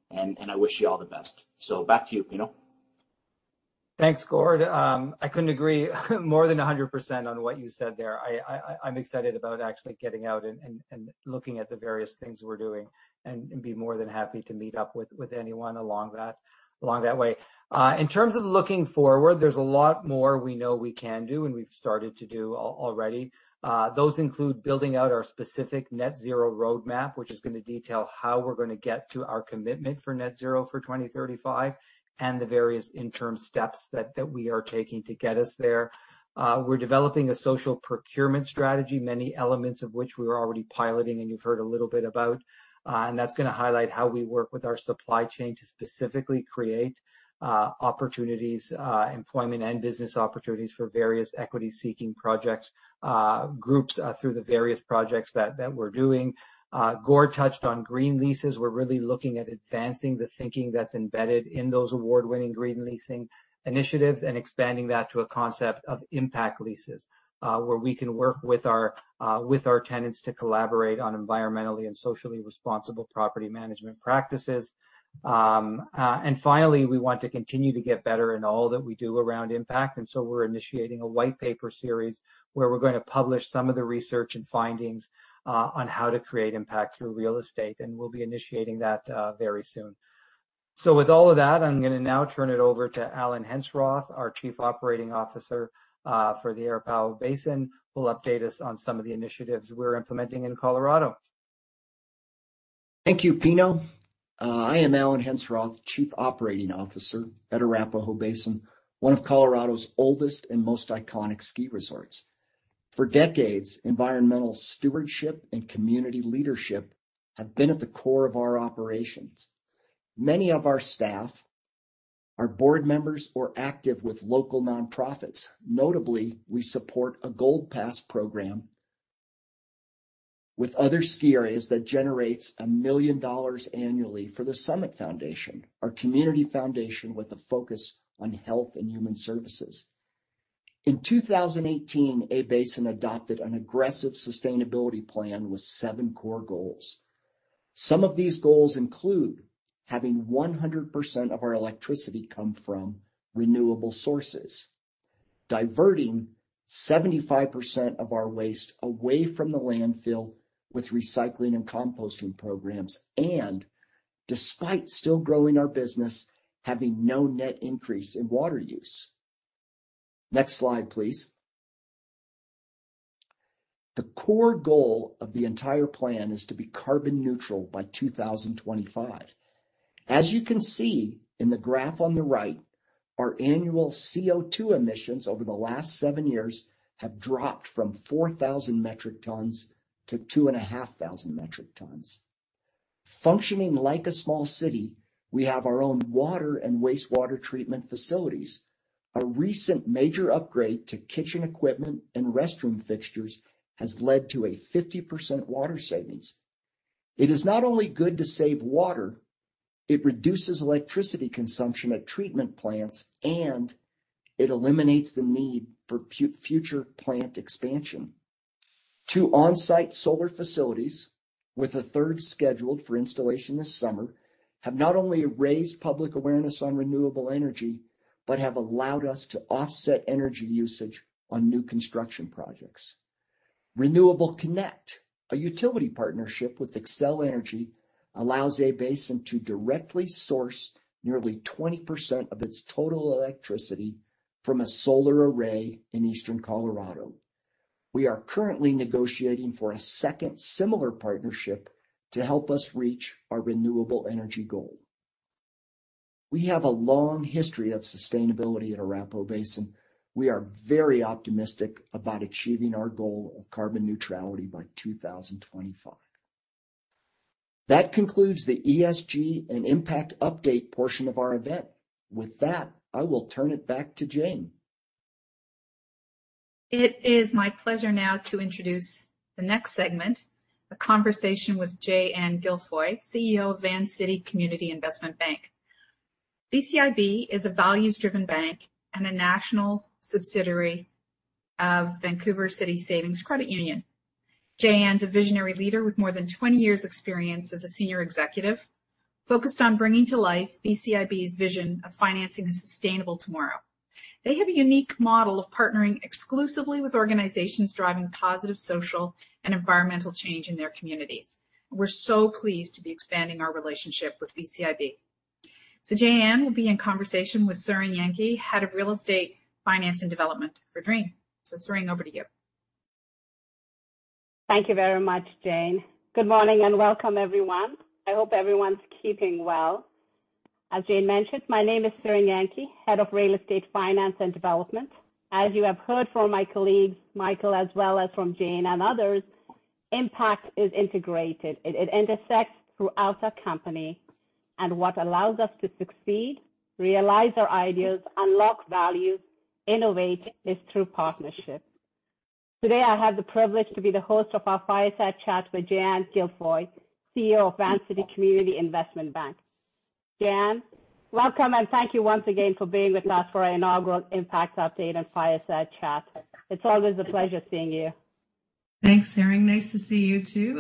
and I wish you all the best. Back to you, Pino. Thanks, Gord. I couldn't agree more than 100% on what you said there. I'm excited about actually getting out and looking at the various things we're doing and be more than happy to meet up with anyone along that way. In terms of looking forward, there's a lot more we know we can do and we've started to do already. Those include building out our specific net zero roadmap, which is going to detail how we're going to get to our commitment for net zero for 2035 and the various interim steps that we are taking to get us there. We're developing a social procurement strategy, many elements of which we are already piloting and you've heard a little bit about. That's going to highlight how we work with our supply chain to specifically create opportunities, employment and business opportunities for various equity-seeking projects groups through the various projects that we're doing. Gord touched on green leases. We're really looking at advancing the thinking that's embedded in those award-winning green leasing initiatives and expanding that to a concept of impact leases where we can work with our tenants to collaborate on environmentally and socially responsible property management practices. Finally, we want to continue to get better in all that we do around impact, and so we're initiating a white paper series where we're going to publish some of the research and findings on how to create impact through real estate, and we'll be initiating that very soon. With all of that, I'm going to now turn it over to Alan Henceroth, our Chief Operating Officer for the Arapahoe Basin, who will update us on some of the initiatives we're implementing in Colorado. Thank you, Pino. I am Alan Henceroth, Chief Operating Officer at Arapahoe Basin, one of Colorado's oldest and most iconic ski resorts. For decades, environmental stewardship and community leadership have been at the core of our operations. Many of our staff are board members or active with local nonprofits. Notably, we support a Gold Pass program with other ski areas that generates 1 million dollars annually for The Summit Foundation, our community foundation with a focus on health and human services. In 2018, A-Basin adopted an aggressive sustainability plan with seven core goals. Some of these goals include having 100% of our electricity come from renewable sources. Diverting 75% of our waste away from the landfill with recycling and composting programs, despite still growing our business, having no net increase in water use. Next slide, please. The core goal of the entire plan is to be carbon neutral by 2025. As you can see in the graph on the right, our annual CO2 emissions over the last seven years have dropped from 4,000 metric tons to 2,500 metric tons. Functioning like a small city, we have our own water and wastewater treatment facilities. A recent major upgrade to kitchen equipment and restroom fixtures has led to a 50% water savings. It is not only good to save water, it reduces electricity consumption at treatment plants, it eliminates the need for future plant expansion. Two on-site solar facilities, with a third scheduled for installation this summer, have not only raised public awareness on renewable energy but have allowed us to offset energy usage on new construction projects. Renewable*Connect, a utility partnership with Xcel Energy, allows A-Basin to directly source nearly 20% of its total electricity from a solar array in eastern Colorado. We are currently negotiating for a second similar partnership to help us reach our renewable energy goal. We have a long history of sustainability at Arapahoe Basin. We are very optimistic about achieving our goal of carbon neutrality by 2025. That concludes the ESG and impact update portion of our event. With that, I will turn it back to Jane. It is my pleasure now to introduce the next segment, a conversation with Jay-Ann Gilfoy, CEO of Vancity Community Investment Bank. VCIB is a values-driven bank and a national subsidiary of Vancouver City Savings Credit Union. Jay-Ann's a visionary leader with more than 20 years experience as a senior executive, focused on bringing to life VCIB's vision of financing a sustainable tomorrow. They have a unique model of partnering exclusively with organizations driving positive social and environmental change in their communities. We're so pleased to be expanding our relationship with VCIB. Jay-Ann will be in conversation with Tsering Yangki, head of real estate finance and development for DREAM. Tsering, over to you. Thank you very much, Jane. Good morning and welcome, everyone. I hope everyone's keeping well. As Jane mentioned, my name is Tsering Yangki, head of real estate finance and development. As you have heard from my colleague Michael, as well as from Jane and others, impact is integrated. It intersects throughout our company. What allows us to succeed, realize our ideas, unlock value, innovate, is through partnership. Today, I have the privilege to be the host of our fireside chat with Jay-Ann Gilfoy, CEO of Vancity Community Investment Bank. Jay-Ann, welcome, and thank you once again for being with us for our inaugural Impact Update and Fireside Chat. It's always a pleasure seeing you. Thanks, Tsering. Nice to see you, too.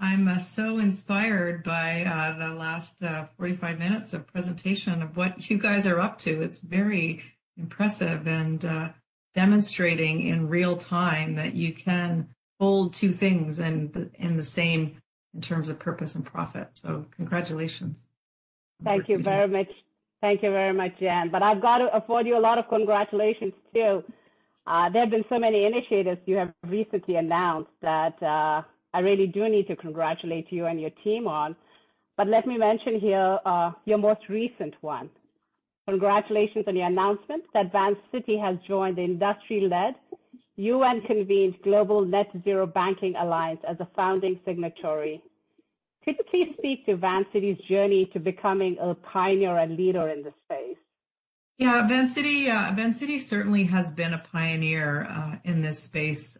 I'm so inspired by the last 45 minutes of presentation of what you guys are up to. It's very impressive and demonstrating in real time that you can hold two things in the same in terms of purpose and profit. Congratulations. Thank you very much. Thank you very much, Jay-Ann, but I've got to afford you a lot of congratulations, too. There's been so many initiatives you have recently announced that I really do need to congratulate you and your team on. Let me mention here your most recent one. Congratulations on the announcement that Vancity has joined the industry-led UN-convened Global Net-Zero Banking Alliance as a founding signatory. Could you please speak to Vancity's journey to becoming a pioneer and leader in the space? Yeah. Vancity certainly has been a pioneer in this space,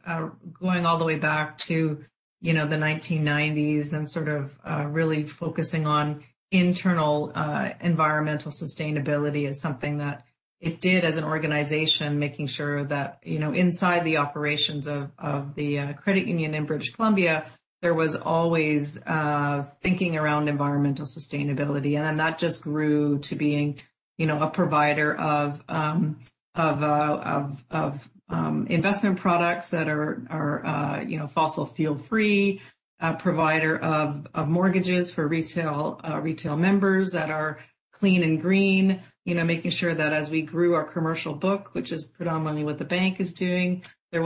going all the way back to the 1990s, sort of really focusing on internal environmental sustainability as something that it did as an organization, making sure that inside the operations of the credit union in British Columbia, there was always thinking around environmental sustainability. That just grew to being a provider of investment products that are fossil fuel free, a provider of mortgages for retail members that are clean and green. Making sure that as we grew our commercial book, which is predominantly what the bank is doing, that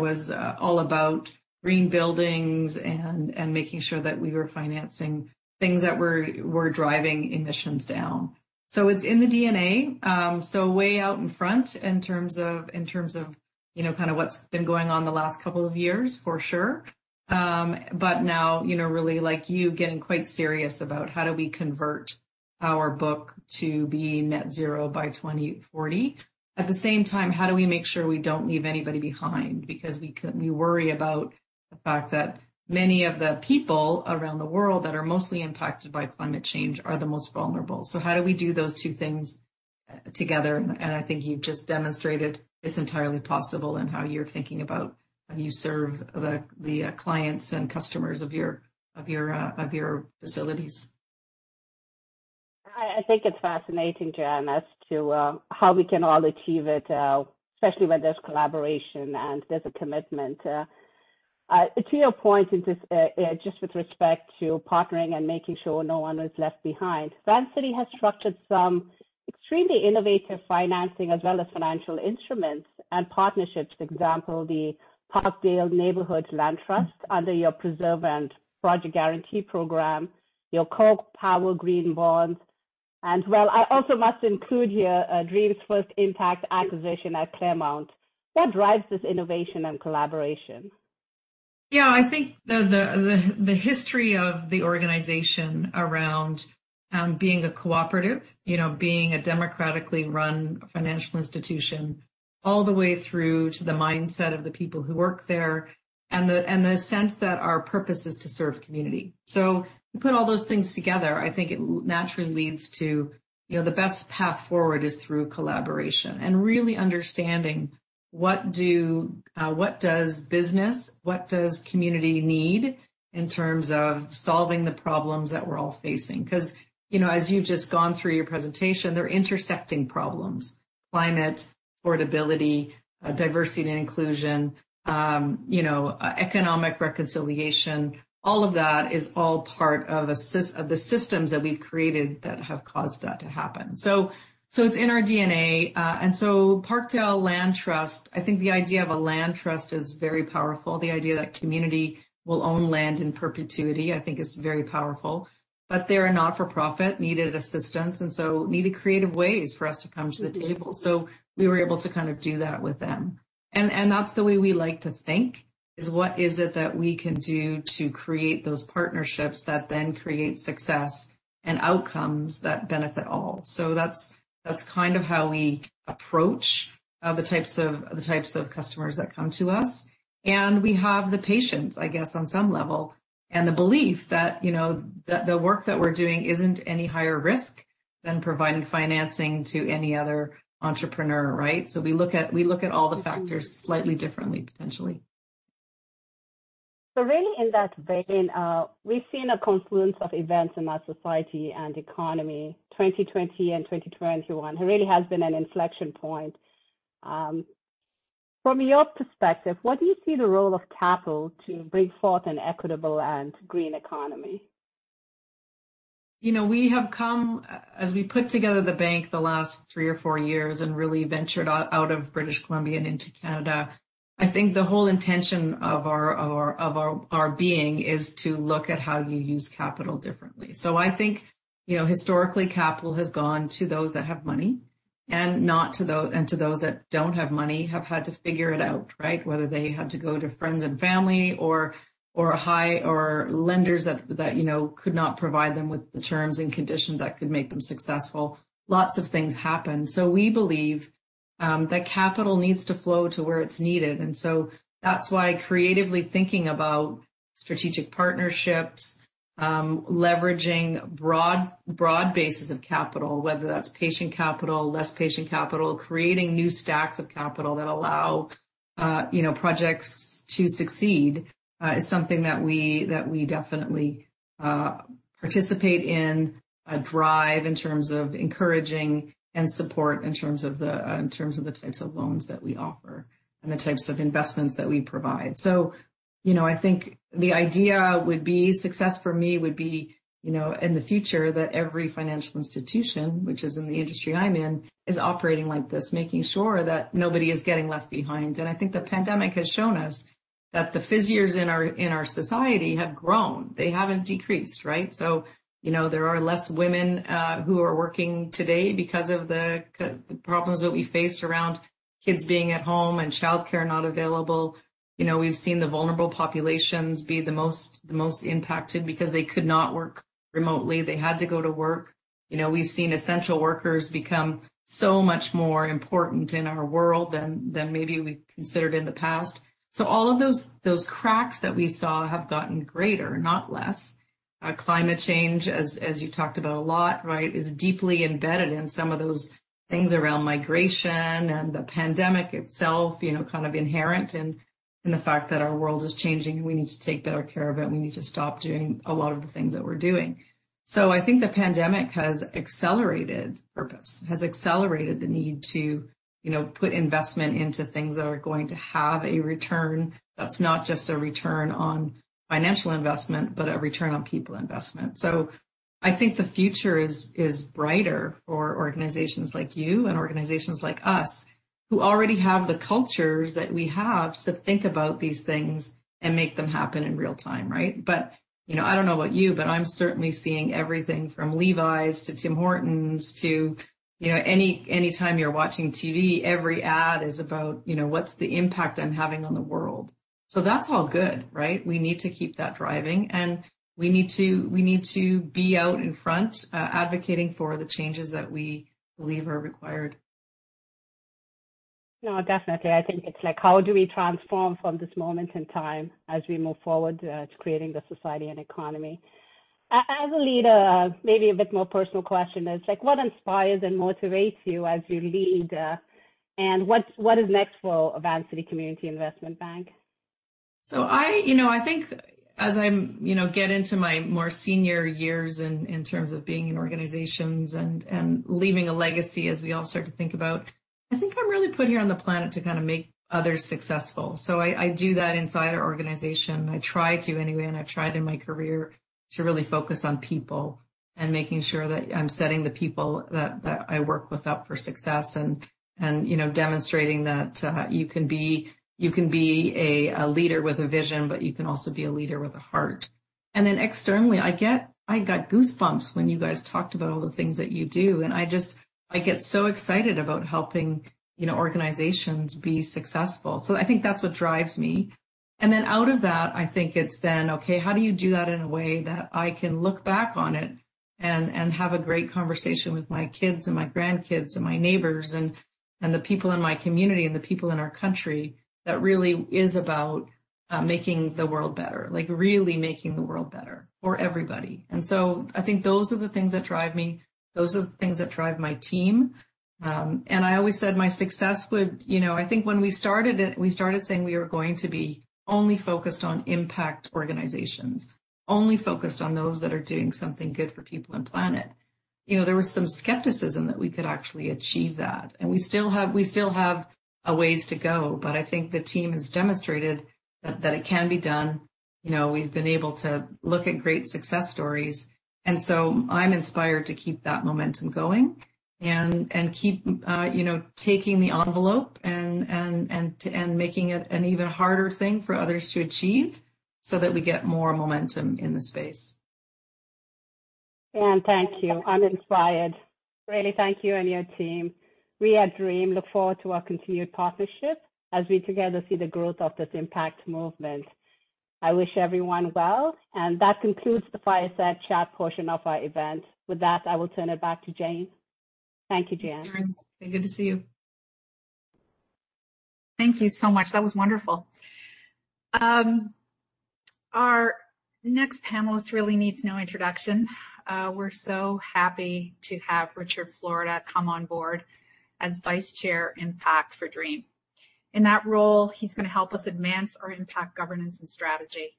was all about green buildings and making sure that we were financing things that were driving emissions down. It's in the DNA. Way out in front in terms of kind of what's been going on the last couple of years, for sure. Now, really like you getting quite serious about how do we convert our book to being net zero by 2040. At the same time, how do we make sure we don't leave anybody behind? We worry about the fact that many of the people around the world that are mostly impacted by climate change are the most vulnerable. How do we do those two things together? I think you've just demonstrated it's entirely possible in how you're thinking about how you serve the clients and customers of your facilities. I think it's fascinating, Jay-Ann, as to how we can all achieve it, especially where there's collaboration and there's a commitment. To your point, just with respect to partnering and making sure no one is left behind. Vancity has structured some extremely innovative financing as well as financial instruments and partnerships. For example, the Parkdale Neighbourhood Land Trust under your Preserve and Protect Guarantee Program, your CoPower Green bonds, and well, I also must include here DREAM's first impact acquisition at Claremont that drives this innovation and collaboration. Yeah. I think the history of the organization around being a cooperative, being a democratically run financial institution, all the way through to the mindset of the people who work there and the sense that our purpose is to serve community. You put all those things together, I think it naturally leads to the best path forward is through collaboration and really understanding what does business, what does community need in terms of solving the problems that we're all facing. As you've just gone through your presentation, they're intersecting problems. Climate, affordability, diversity and inclusion, economic reconciliation, all of that is all part of the systems that we've created that have caused that to happen. It's in our DNA. Parkdale Land Trust, I think the idea of a land trust is very powerful. The idea that community will own land in perpetuity I think is very powerful. They're a not-for-profit, needed assistance, needed creative ways for us to come to the table. We were able to do that with them. That's the way we like to think, is what is it that we can do to create those partnerships that create success and outcomes that benefit all. That's how we approach the types of customers that come to us. We have the patience, I guess, on some level, and the belief that the work that we're doing isn't any higher risk than providing financing to any other entrepreneur, right? We look at all the factors slightly differently potentially. Really in that vein, we've seen a confluence of events in our society and economy. 2020 and 2021 really has been an inflection point. From your perspective, what do you see the role of capital to bring forth an equitable and green economy? As we put together the bank the last three or four years and really ventured out of British Columbia and into Canada, I think the whole intention of our being is to look at how you use capital differently. I think, historically, capital has gone to those that have money, and to those that don't have money have had to figure it out, right? Whether they had to go to friends and family or lenders that could not provide them with the terms and conditions that could make them successful. Lots of things happen. We believe that capital needs to flow to where it's needed. That's why creatively thinking about strategic partnerships, leveraging broad bases of capital, whether that's patient capital, less patient capital, creating new stacks of capital that allow projects to succeed, is something that we definitely participate in and drive in terms of encouraging and support in terms of the types of loans that we offer and the types of investments that we provide. I think the idea would be, success for me would be, in the future, that every financial institution, which is in the industry I'm in, is operating like this, making sure that nobody is getting left behind. I think the pandemic has shown us that the fissures in our society have grown. They haven't decreased, right? There are less women who are working today because of the problems that we faced around kids being at home and childcare not available. We've seen the vulnerable populations be the most impacted because they could not work remotely. They had to go to work. We've seen essential workers become so much more important in our world than maybe we've considered in the past. All of those cracks that we saw have gotten greater, not less. Climate change, as you talked about a lot, right, is deeply embedded in some of those things around migration and the pandemic itself, kind of inherent in the fact that our world is changing. We need to take better care of it. We need to stop doing a lot of the things that we're doing. I think the pandemic has accelerated the need to put investment into things that are going to have a return that's not just a return on financial investment, but a return on people investment. I think the future is brighter for organizations like you and organizations like us who already have the cultures that we have to think about these things and make them happen in real time, right? I don't know about you, but I'm certainly seeing everything from Levi's to Tim Hortons to anytime you're watching TV, every ad is about, what's the impact I'm having on the world? That's all good, right? We need to keep that driving, and we need to be out in front advocating for the changes that we believe are required. No, definitely. I think it's like how do we transform from this moment in time as we move forward to creating the society and economy? As a leader, maybe a bit more personal question is like what inspires and motivates you as you lead? What is next for Vancity Community Investment Bank? I think as I get into my more senior years in terms of being in organizations and leaving a legacy as we all start to think about, I think I'm really put here on the planet to make others successful. I do that inside our organization. I try to anyway, and I've tried in my career to really focus on people and making sure that I'm setting the people that I work with up for success and demonstrating that you can be a leader with a vision, but you can also be a leader with a heart. Externally, I got goosebumps when you guys talked about all the things that you do, and I get so excited about helping organizations be successful. I think that's what drives me. Out of that, I think it's then, okay, how do you do that in a way that I can look back on it and have a great conversation with my kids and my grandkids, and my neighbors and the people in my community, and the people in our country that really is about making the world better, like really making the world better for everybody. I think those are the things that drive me. Those are the things that drive my team. I always said. I think when we started it, we started saying we were going to be only focused on impact organizations, only focused on those that are doing something good for people on the planet. There was some skepticism that we could actually achieve that. We still have a ways to go, but I think the team has demonstrated that it can be done. We've been able to look at great success stories, and so I'm inspired to keep that momentum going and keep taking the envelope and making it an even harder thing for others to achieve so that we get more momentum in the space. Jay-Ann, thank you. I'm inspired. Really thank you and your team. We at Dream look forward to our continued partnership as we together see the growth of this impact movement. I wish everyone well, and that concludes the fireside chat portion of our event. With that, I will send it back to Jane. Thank you, Jay-Ann. Thanks, Tsering. Good to see you. Thank you so much. That was wonderful. Our next panelist really needs no introduction. We're so happy to have Richard Florida come on board as Vice Chair, Impact for DREAM. In that role, he's going to help us advance our impact, governance, and strategy.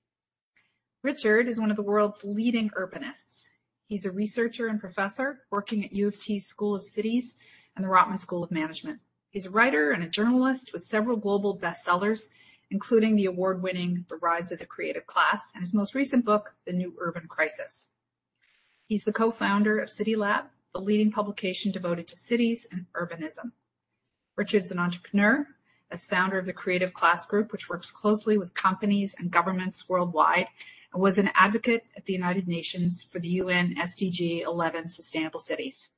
Richard is one of the world's leading urbanists. He's a researcher and professor working at U of T School of Cities and the Rotman School of Management. He's a writer and a journalist with several global bestsellers, including the award-winning "The Rise of the Creative Class," and his most recent book, "The New Urban Crisis." He's the co-founder of CityLab, the leading publication devoted to cities and urbanism. Richard's an entrepreneur, a founder of the Creative Class Group, which works closely with companies and governments worldwide, and was an advocate at the United Nations for the UN SDG 11 Sustainable Cities.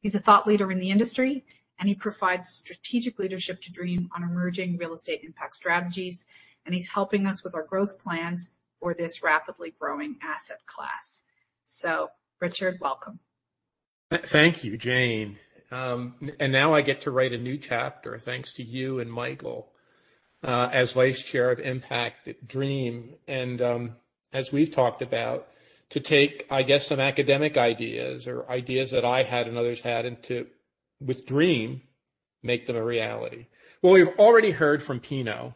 He's a thought leader in the industry, and he provides strategic leadership to DREAM on emerging real estate impact strategies, and he's helping us with our growth plans for this rapidly growing asset class. Richard, welcome. Thank you, Jane. Now I get to write a new chapter, thanks to you and Michael, as Vice Chair of Impact at Dream. As we've talked about, to take, I guess, some academic ideas or ideas that I had and others had into, with Dream, make them a reality. We've already heard from Pino,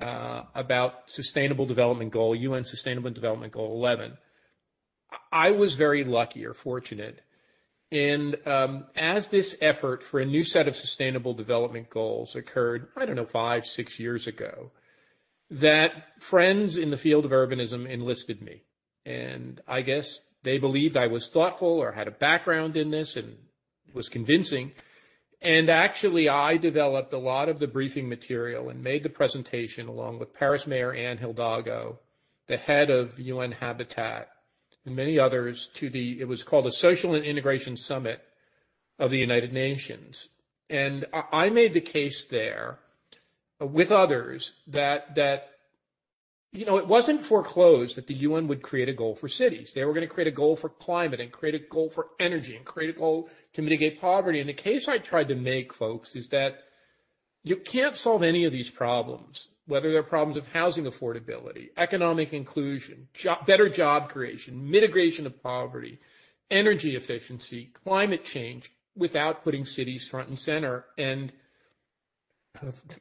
about UN Sustainable Development Goal 11. I was very lucky or fortunate in, as this effort for a new set of sustainable development goals occurred, I don't know, five, six years ago, that friends in the field of urbanism enlisted me. I guess they believed I was thoughtful or had a background in this and was convincing. Actually, I developed a lot of the briefing material and made the presentation along with Paris Mayor Anne Hidalgo, the head of UN-Habitat, and many others to the, it was called the Social and Integration Summit of the United Nations. I made the case there with others that it wasn't foreclosed that the UN would create a goal for cities. They were going to create a goal for climate and create a goal for energy, and create a goal to mitigate poverty. The case I tried to make, folks, is that you can't solve any of these problems, whether they're problems of housing affordability, economic inclusion, better job creation, mitigation of poverty, energy efficiency, climate change, without putting cities front and center.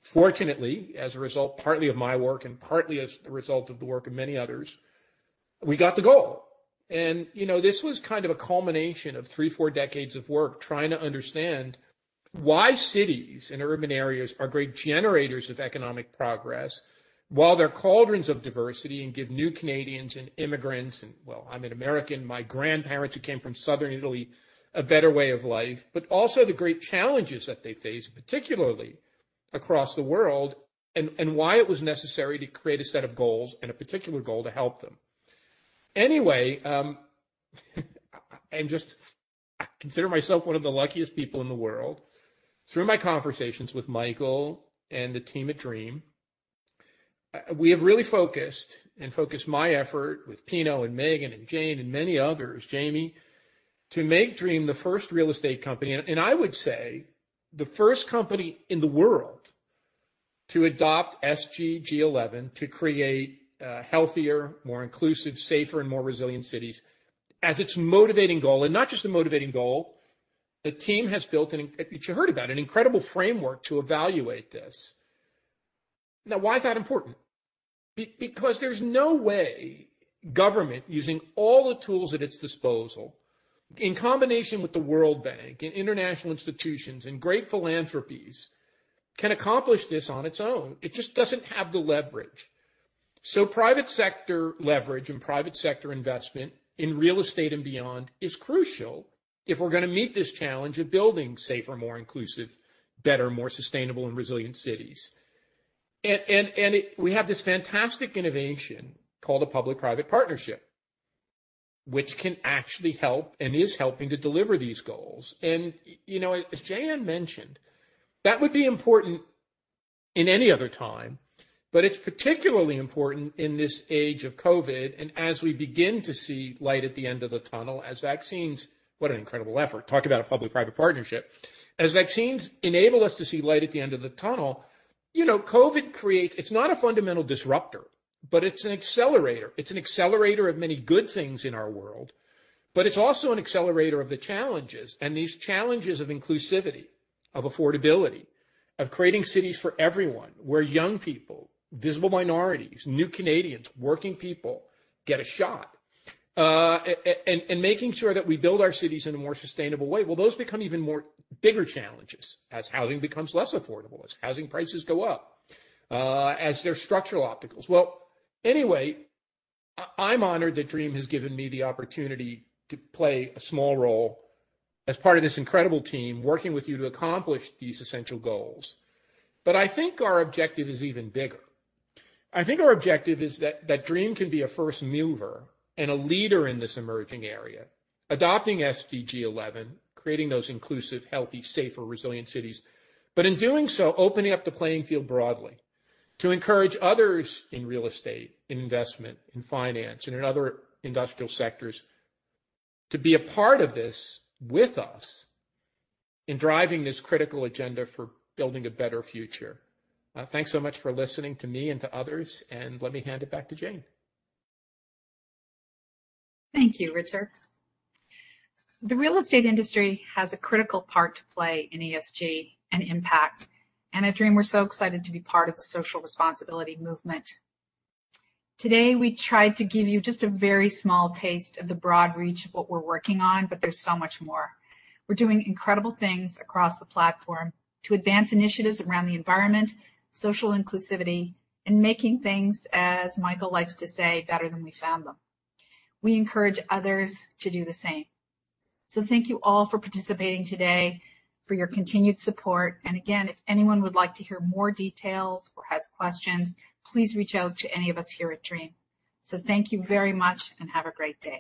Fortunately, as a result, partly of my work and partly as the result of the work of many others, we got the goal. This was kind of a culmination of three, four decades of work trying to understand why cities and urban areas are great generators of economic progress, while they're cauldrons of diversity and give new Canadians and immigrants, and, well, I'm an American, my grandparents who came from southern Italy, a better way of life, but also the great challenges that they face, particularly across the world, and why it was necessary to create a set of goals and a particular goal to help them. Anyway, I consider myself one of the luckiest people in the world. Through my conversations with Michael and the team at DREAM, we have really focused my effort with Pino and Meaghan and Jane and many others, Jamie, to make DREAM the first real estate company, I would say the first company in the world to adopt SDG 11 to create healthier, more inclusive, safer, and more resilient cities as its motivating goal. Not just a motivating goal. The team has built, which you heard about, an incredible framework to evaluate this. Why is that important? There's no way government, using all the tools at its disposal, in combination with the World Bank and international institutions and great philanthropies, can accomplish this on its own. It just doesn't have the leverage. Private sector leverage and private sector investment in real estate and beyond is crucial if we're going to meet this challenge of building safer, more inclusive, better, more sustainable, and resilient cities. We have this fantastic innovation called a public-private partnership, which can actually help and is helping to deliver these goals. As Jane mentioned, that would be important in any other time, but it's particularly important in this age of COVID and as we begin to see light at the end of the tunnel, as vaccines, what an incredible effort. Talk about a public-private partnership. As vaccines enable us to see light at the end of the tunnel, it's not a fundamental disruptor, but it's an accelerator. It's an accelerator of many good things in our world, but it's also an accelerator of the challenges, and these challenges of inclusivity, of affordability, of creating cities for everyone, where young people, visible minorities, new Canadians, working people get a shot. Making sure that we build our cities in a more sustainable way. Well, those become even more bigger challenges as housing becomes less affordable, as housing prices go up, as there are structural obstacles. Well, anyway, I'm honored that Dream has given me the opportunity to play a small role as part of this incredible team working with you to accomplish these essential goals. I think our objective is even bigger. I think our objective is that Dream can be a first mover and a leader in this emerging area, adopting SDG 11, creating those inclusive, healthy, safer, resilient cities. In doing so, opening up the playing field broadly to encourage others in real estate, in investment, in finance, and in other industrial sectors to be a part of this with us in driving this critical agenda for building a better future. Thanks so much for listening to me and to others, and let me hand it back to Jane. Thank you, Richard. The real estate industry has a critical part to play in ESG and impact, and at DREAM, we're so excited to be part of the social responsibility movement. Today, we tried to give you just a very small taste of the broad reach of what we're working on, but there's so much more. We're doing incredible things across the platform to advance initiatives around the environment, social inclusivity, and making things, as Michael likes to say, better than we found them. We encourage others to do the same. Thank you all for participating today, for your continued support, and again, if anyone would like to hear more details or has questions, please reach out to any of us here at DREAM. Thank you very much and have a great day.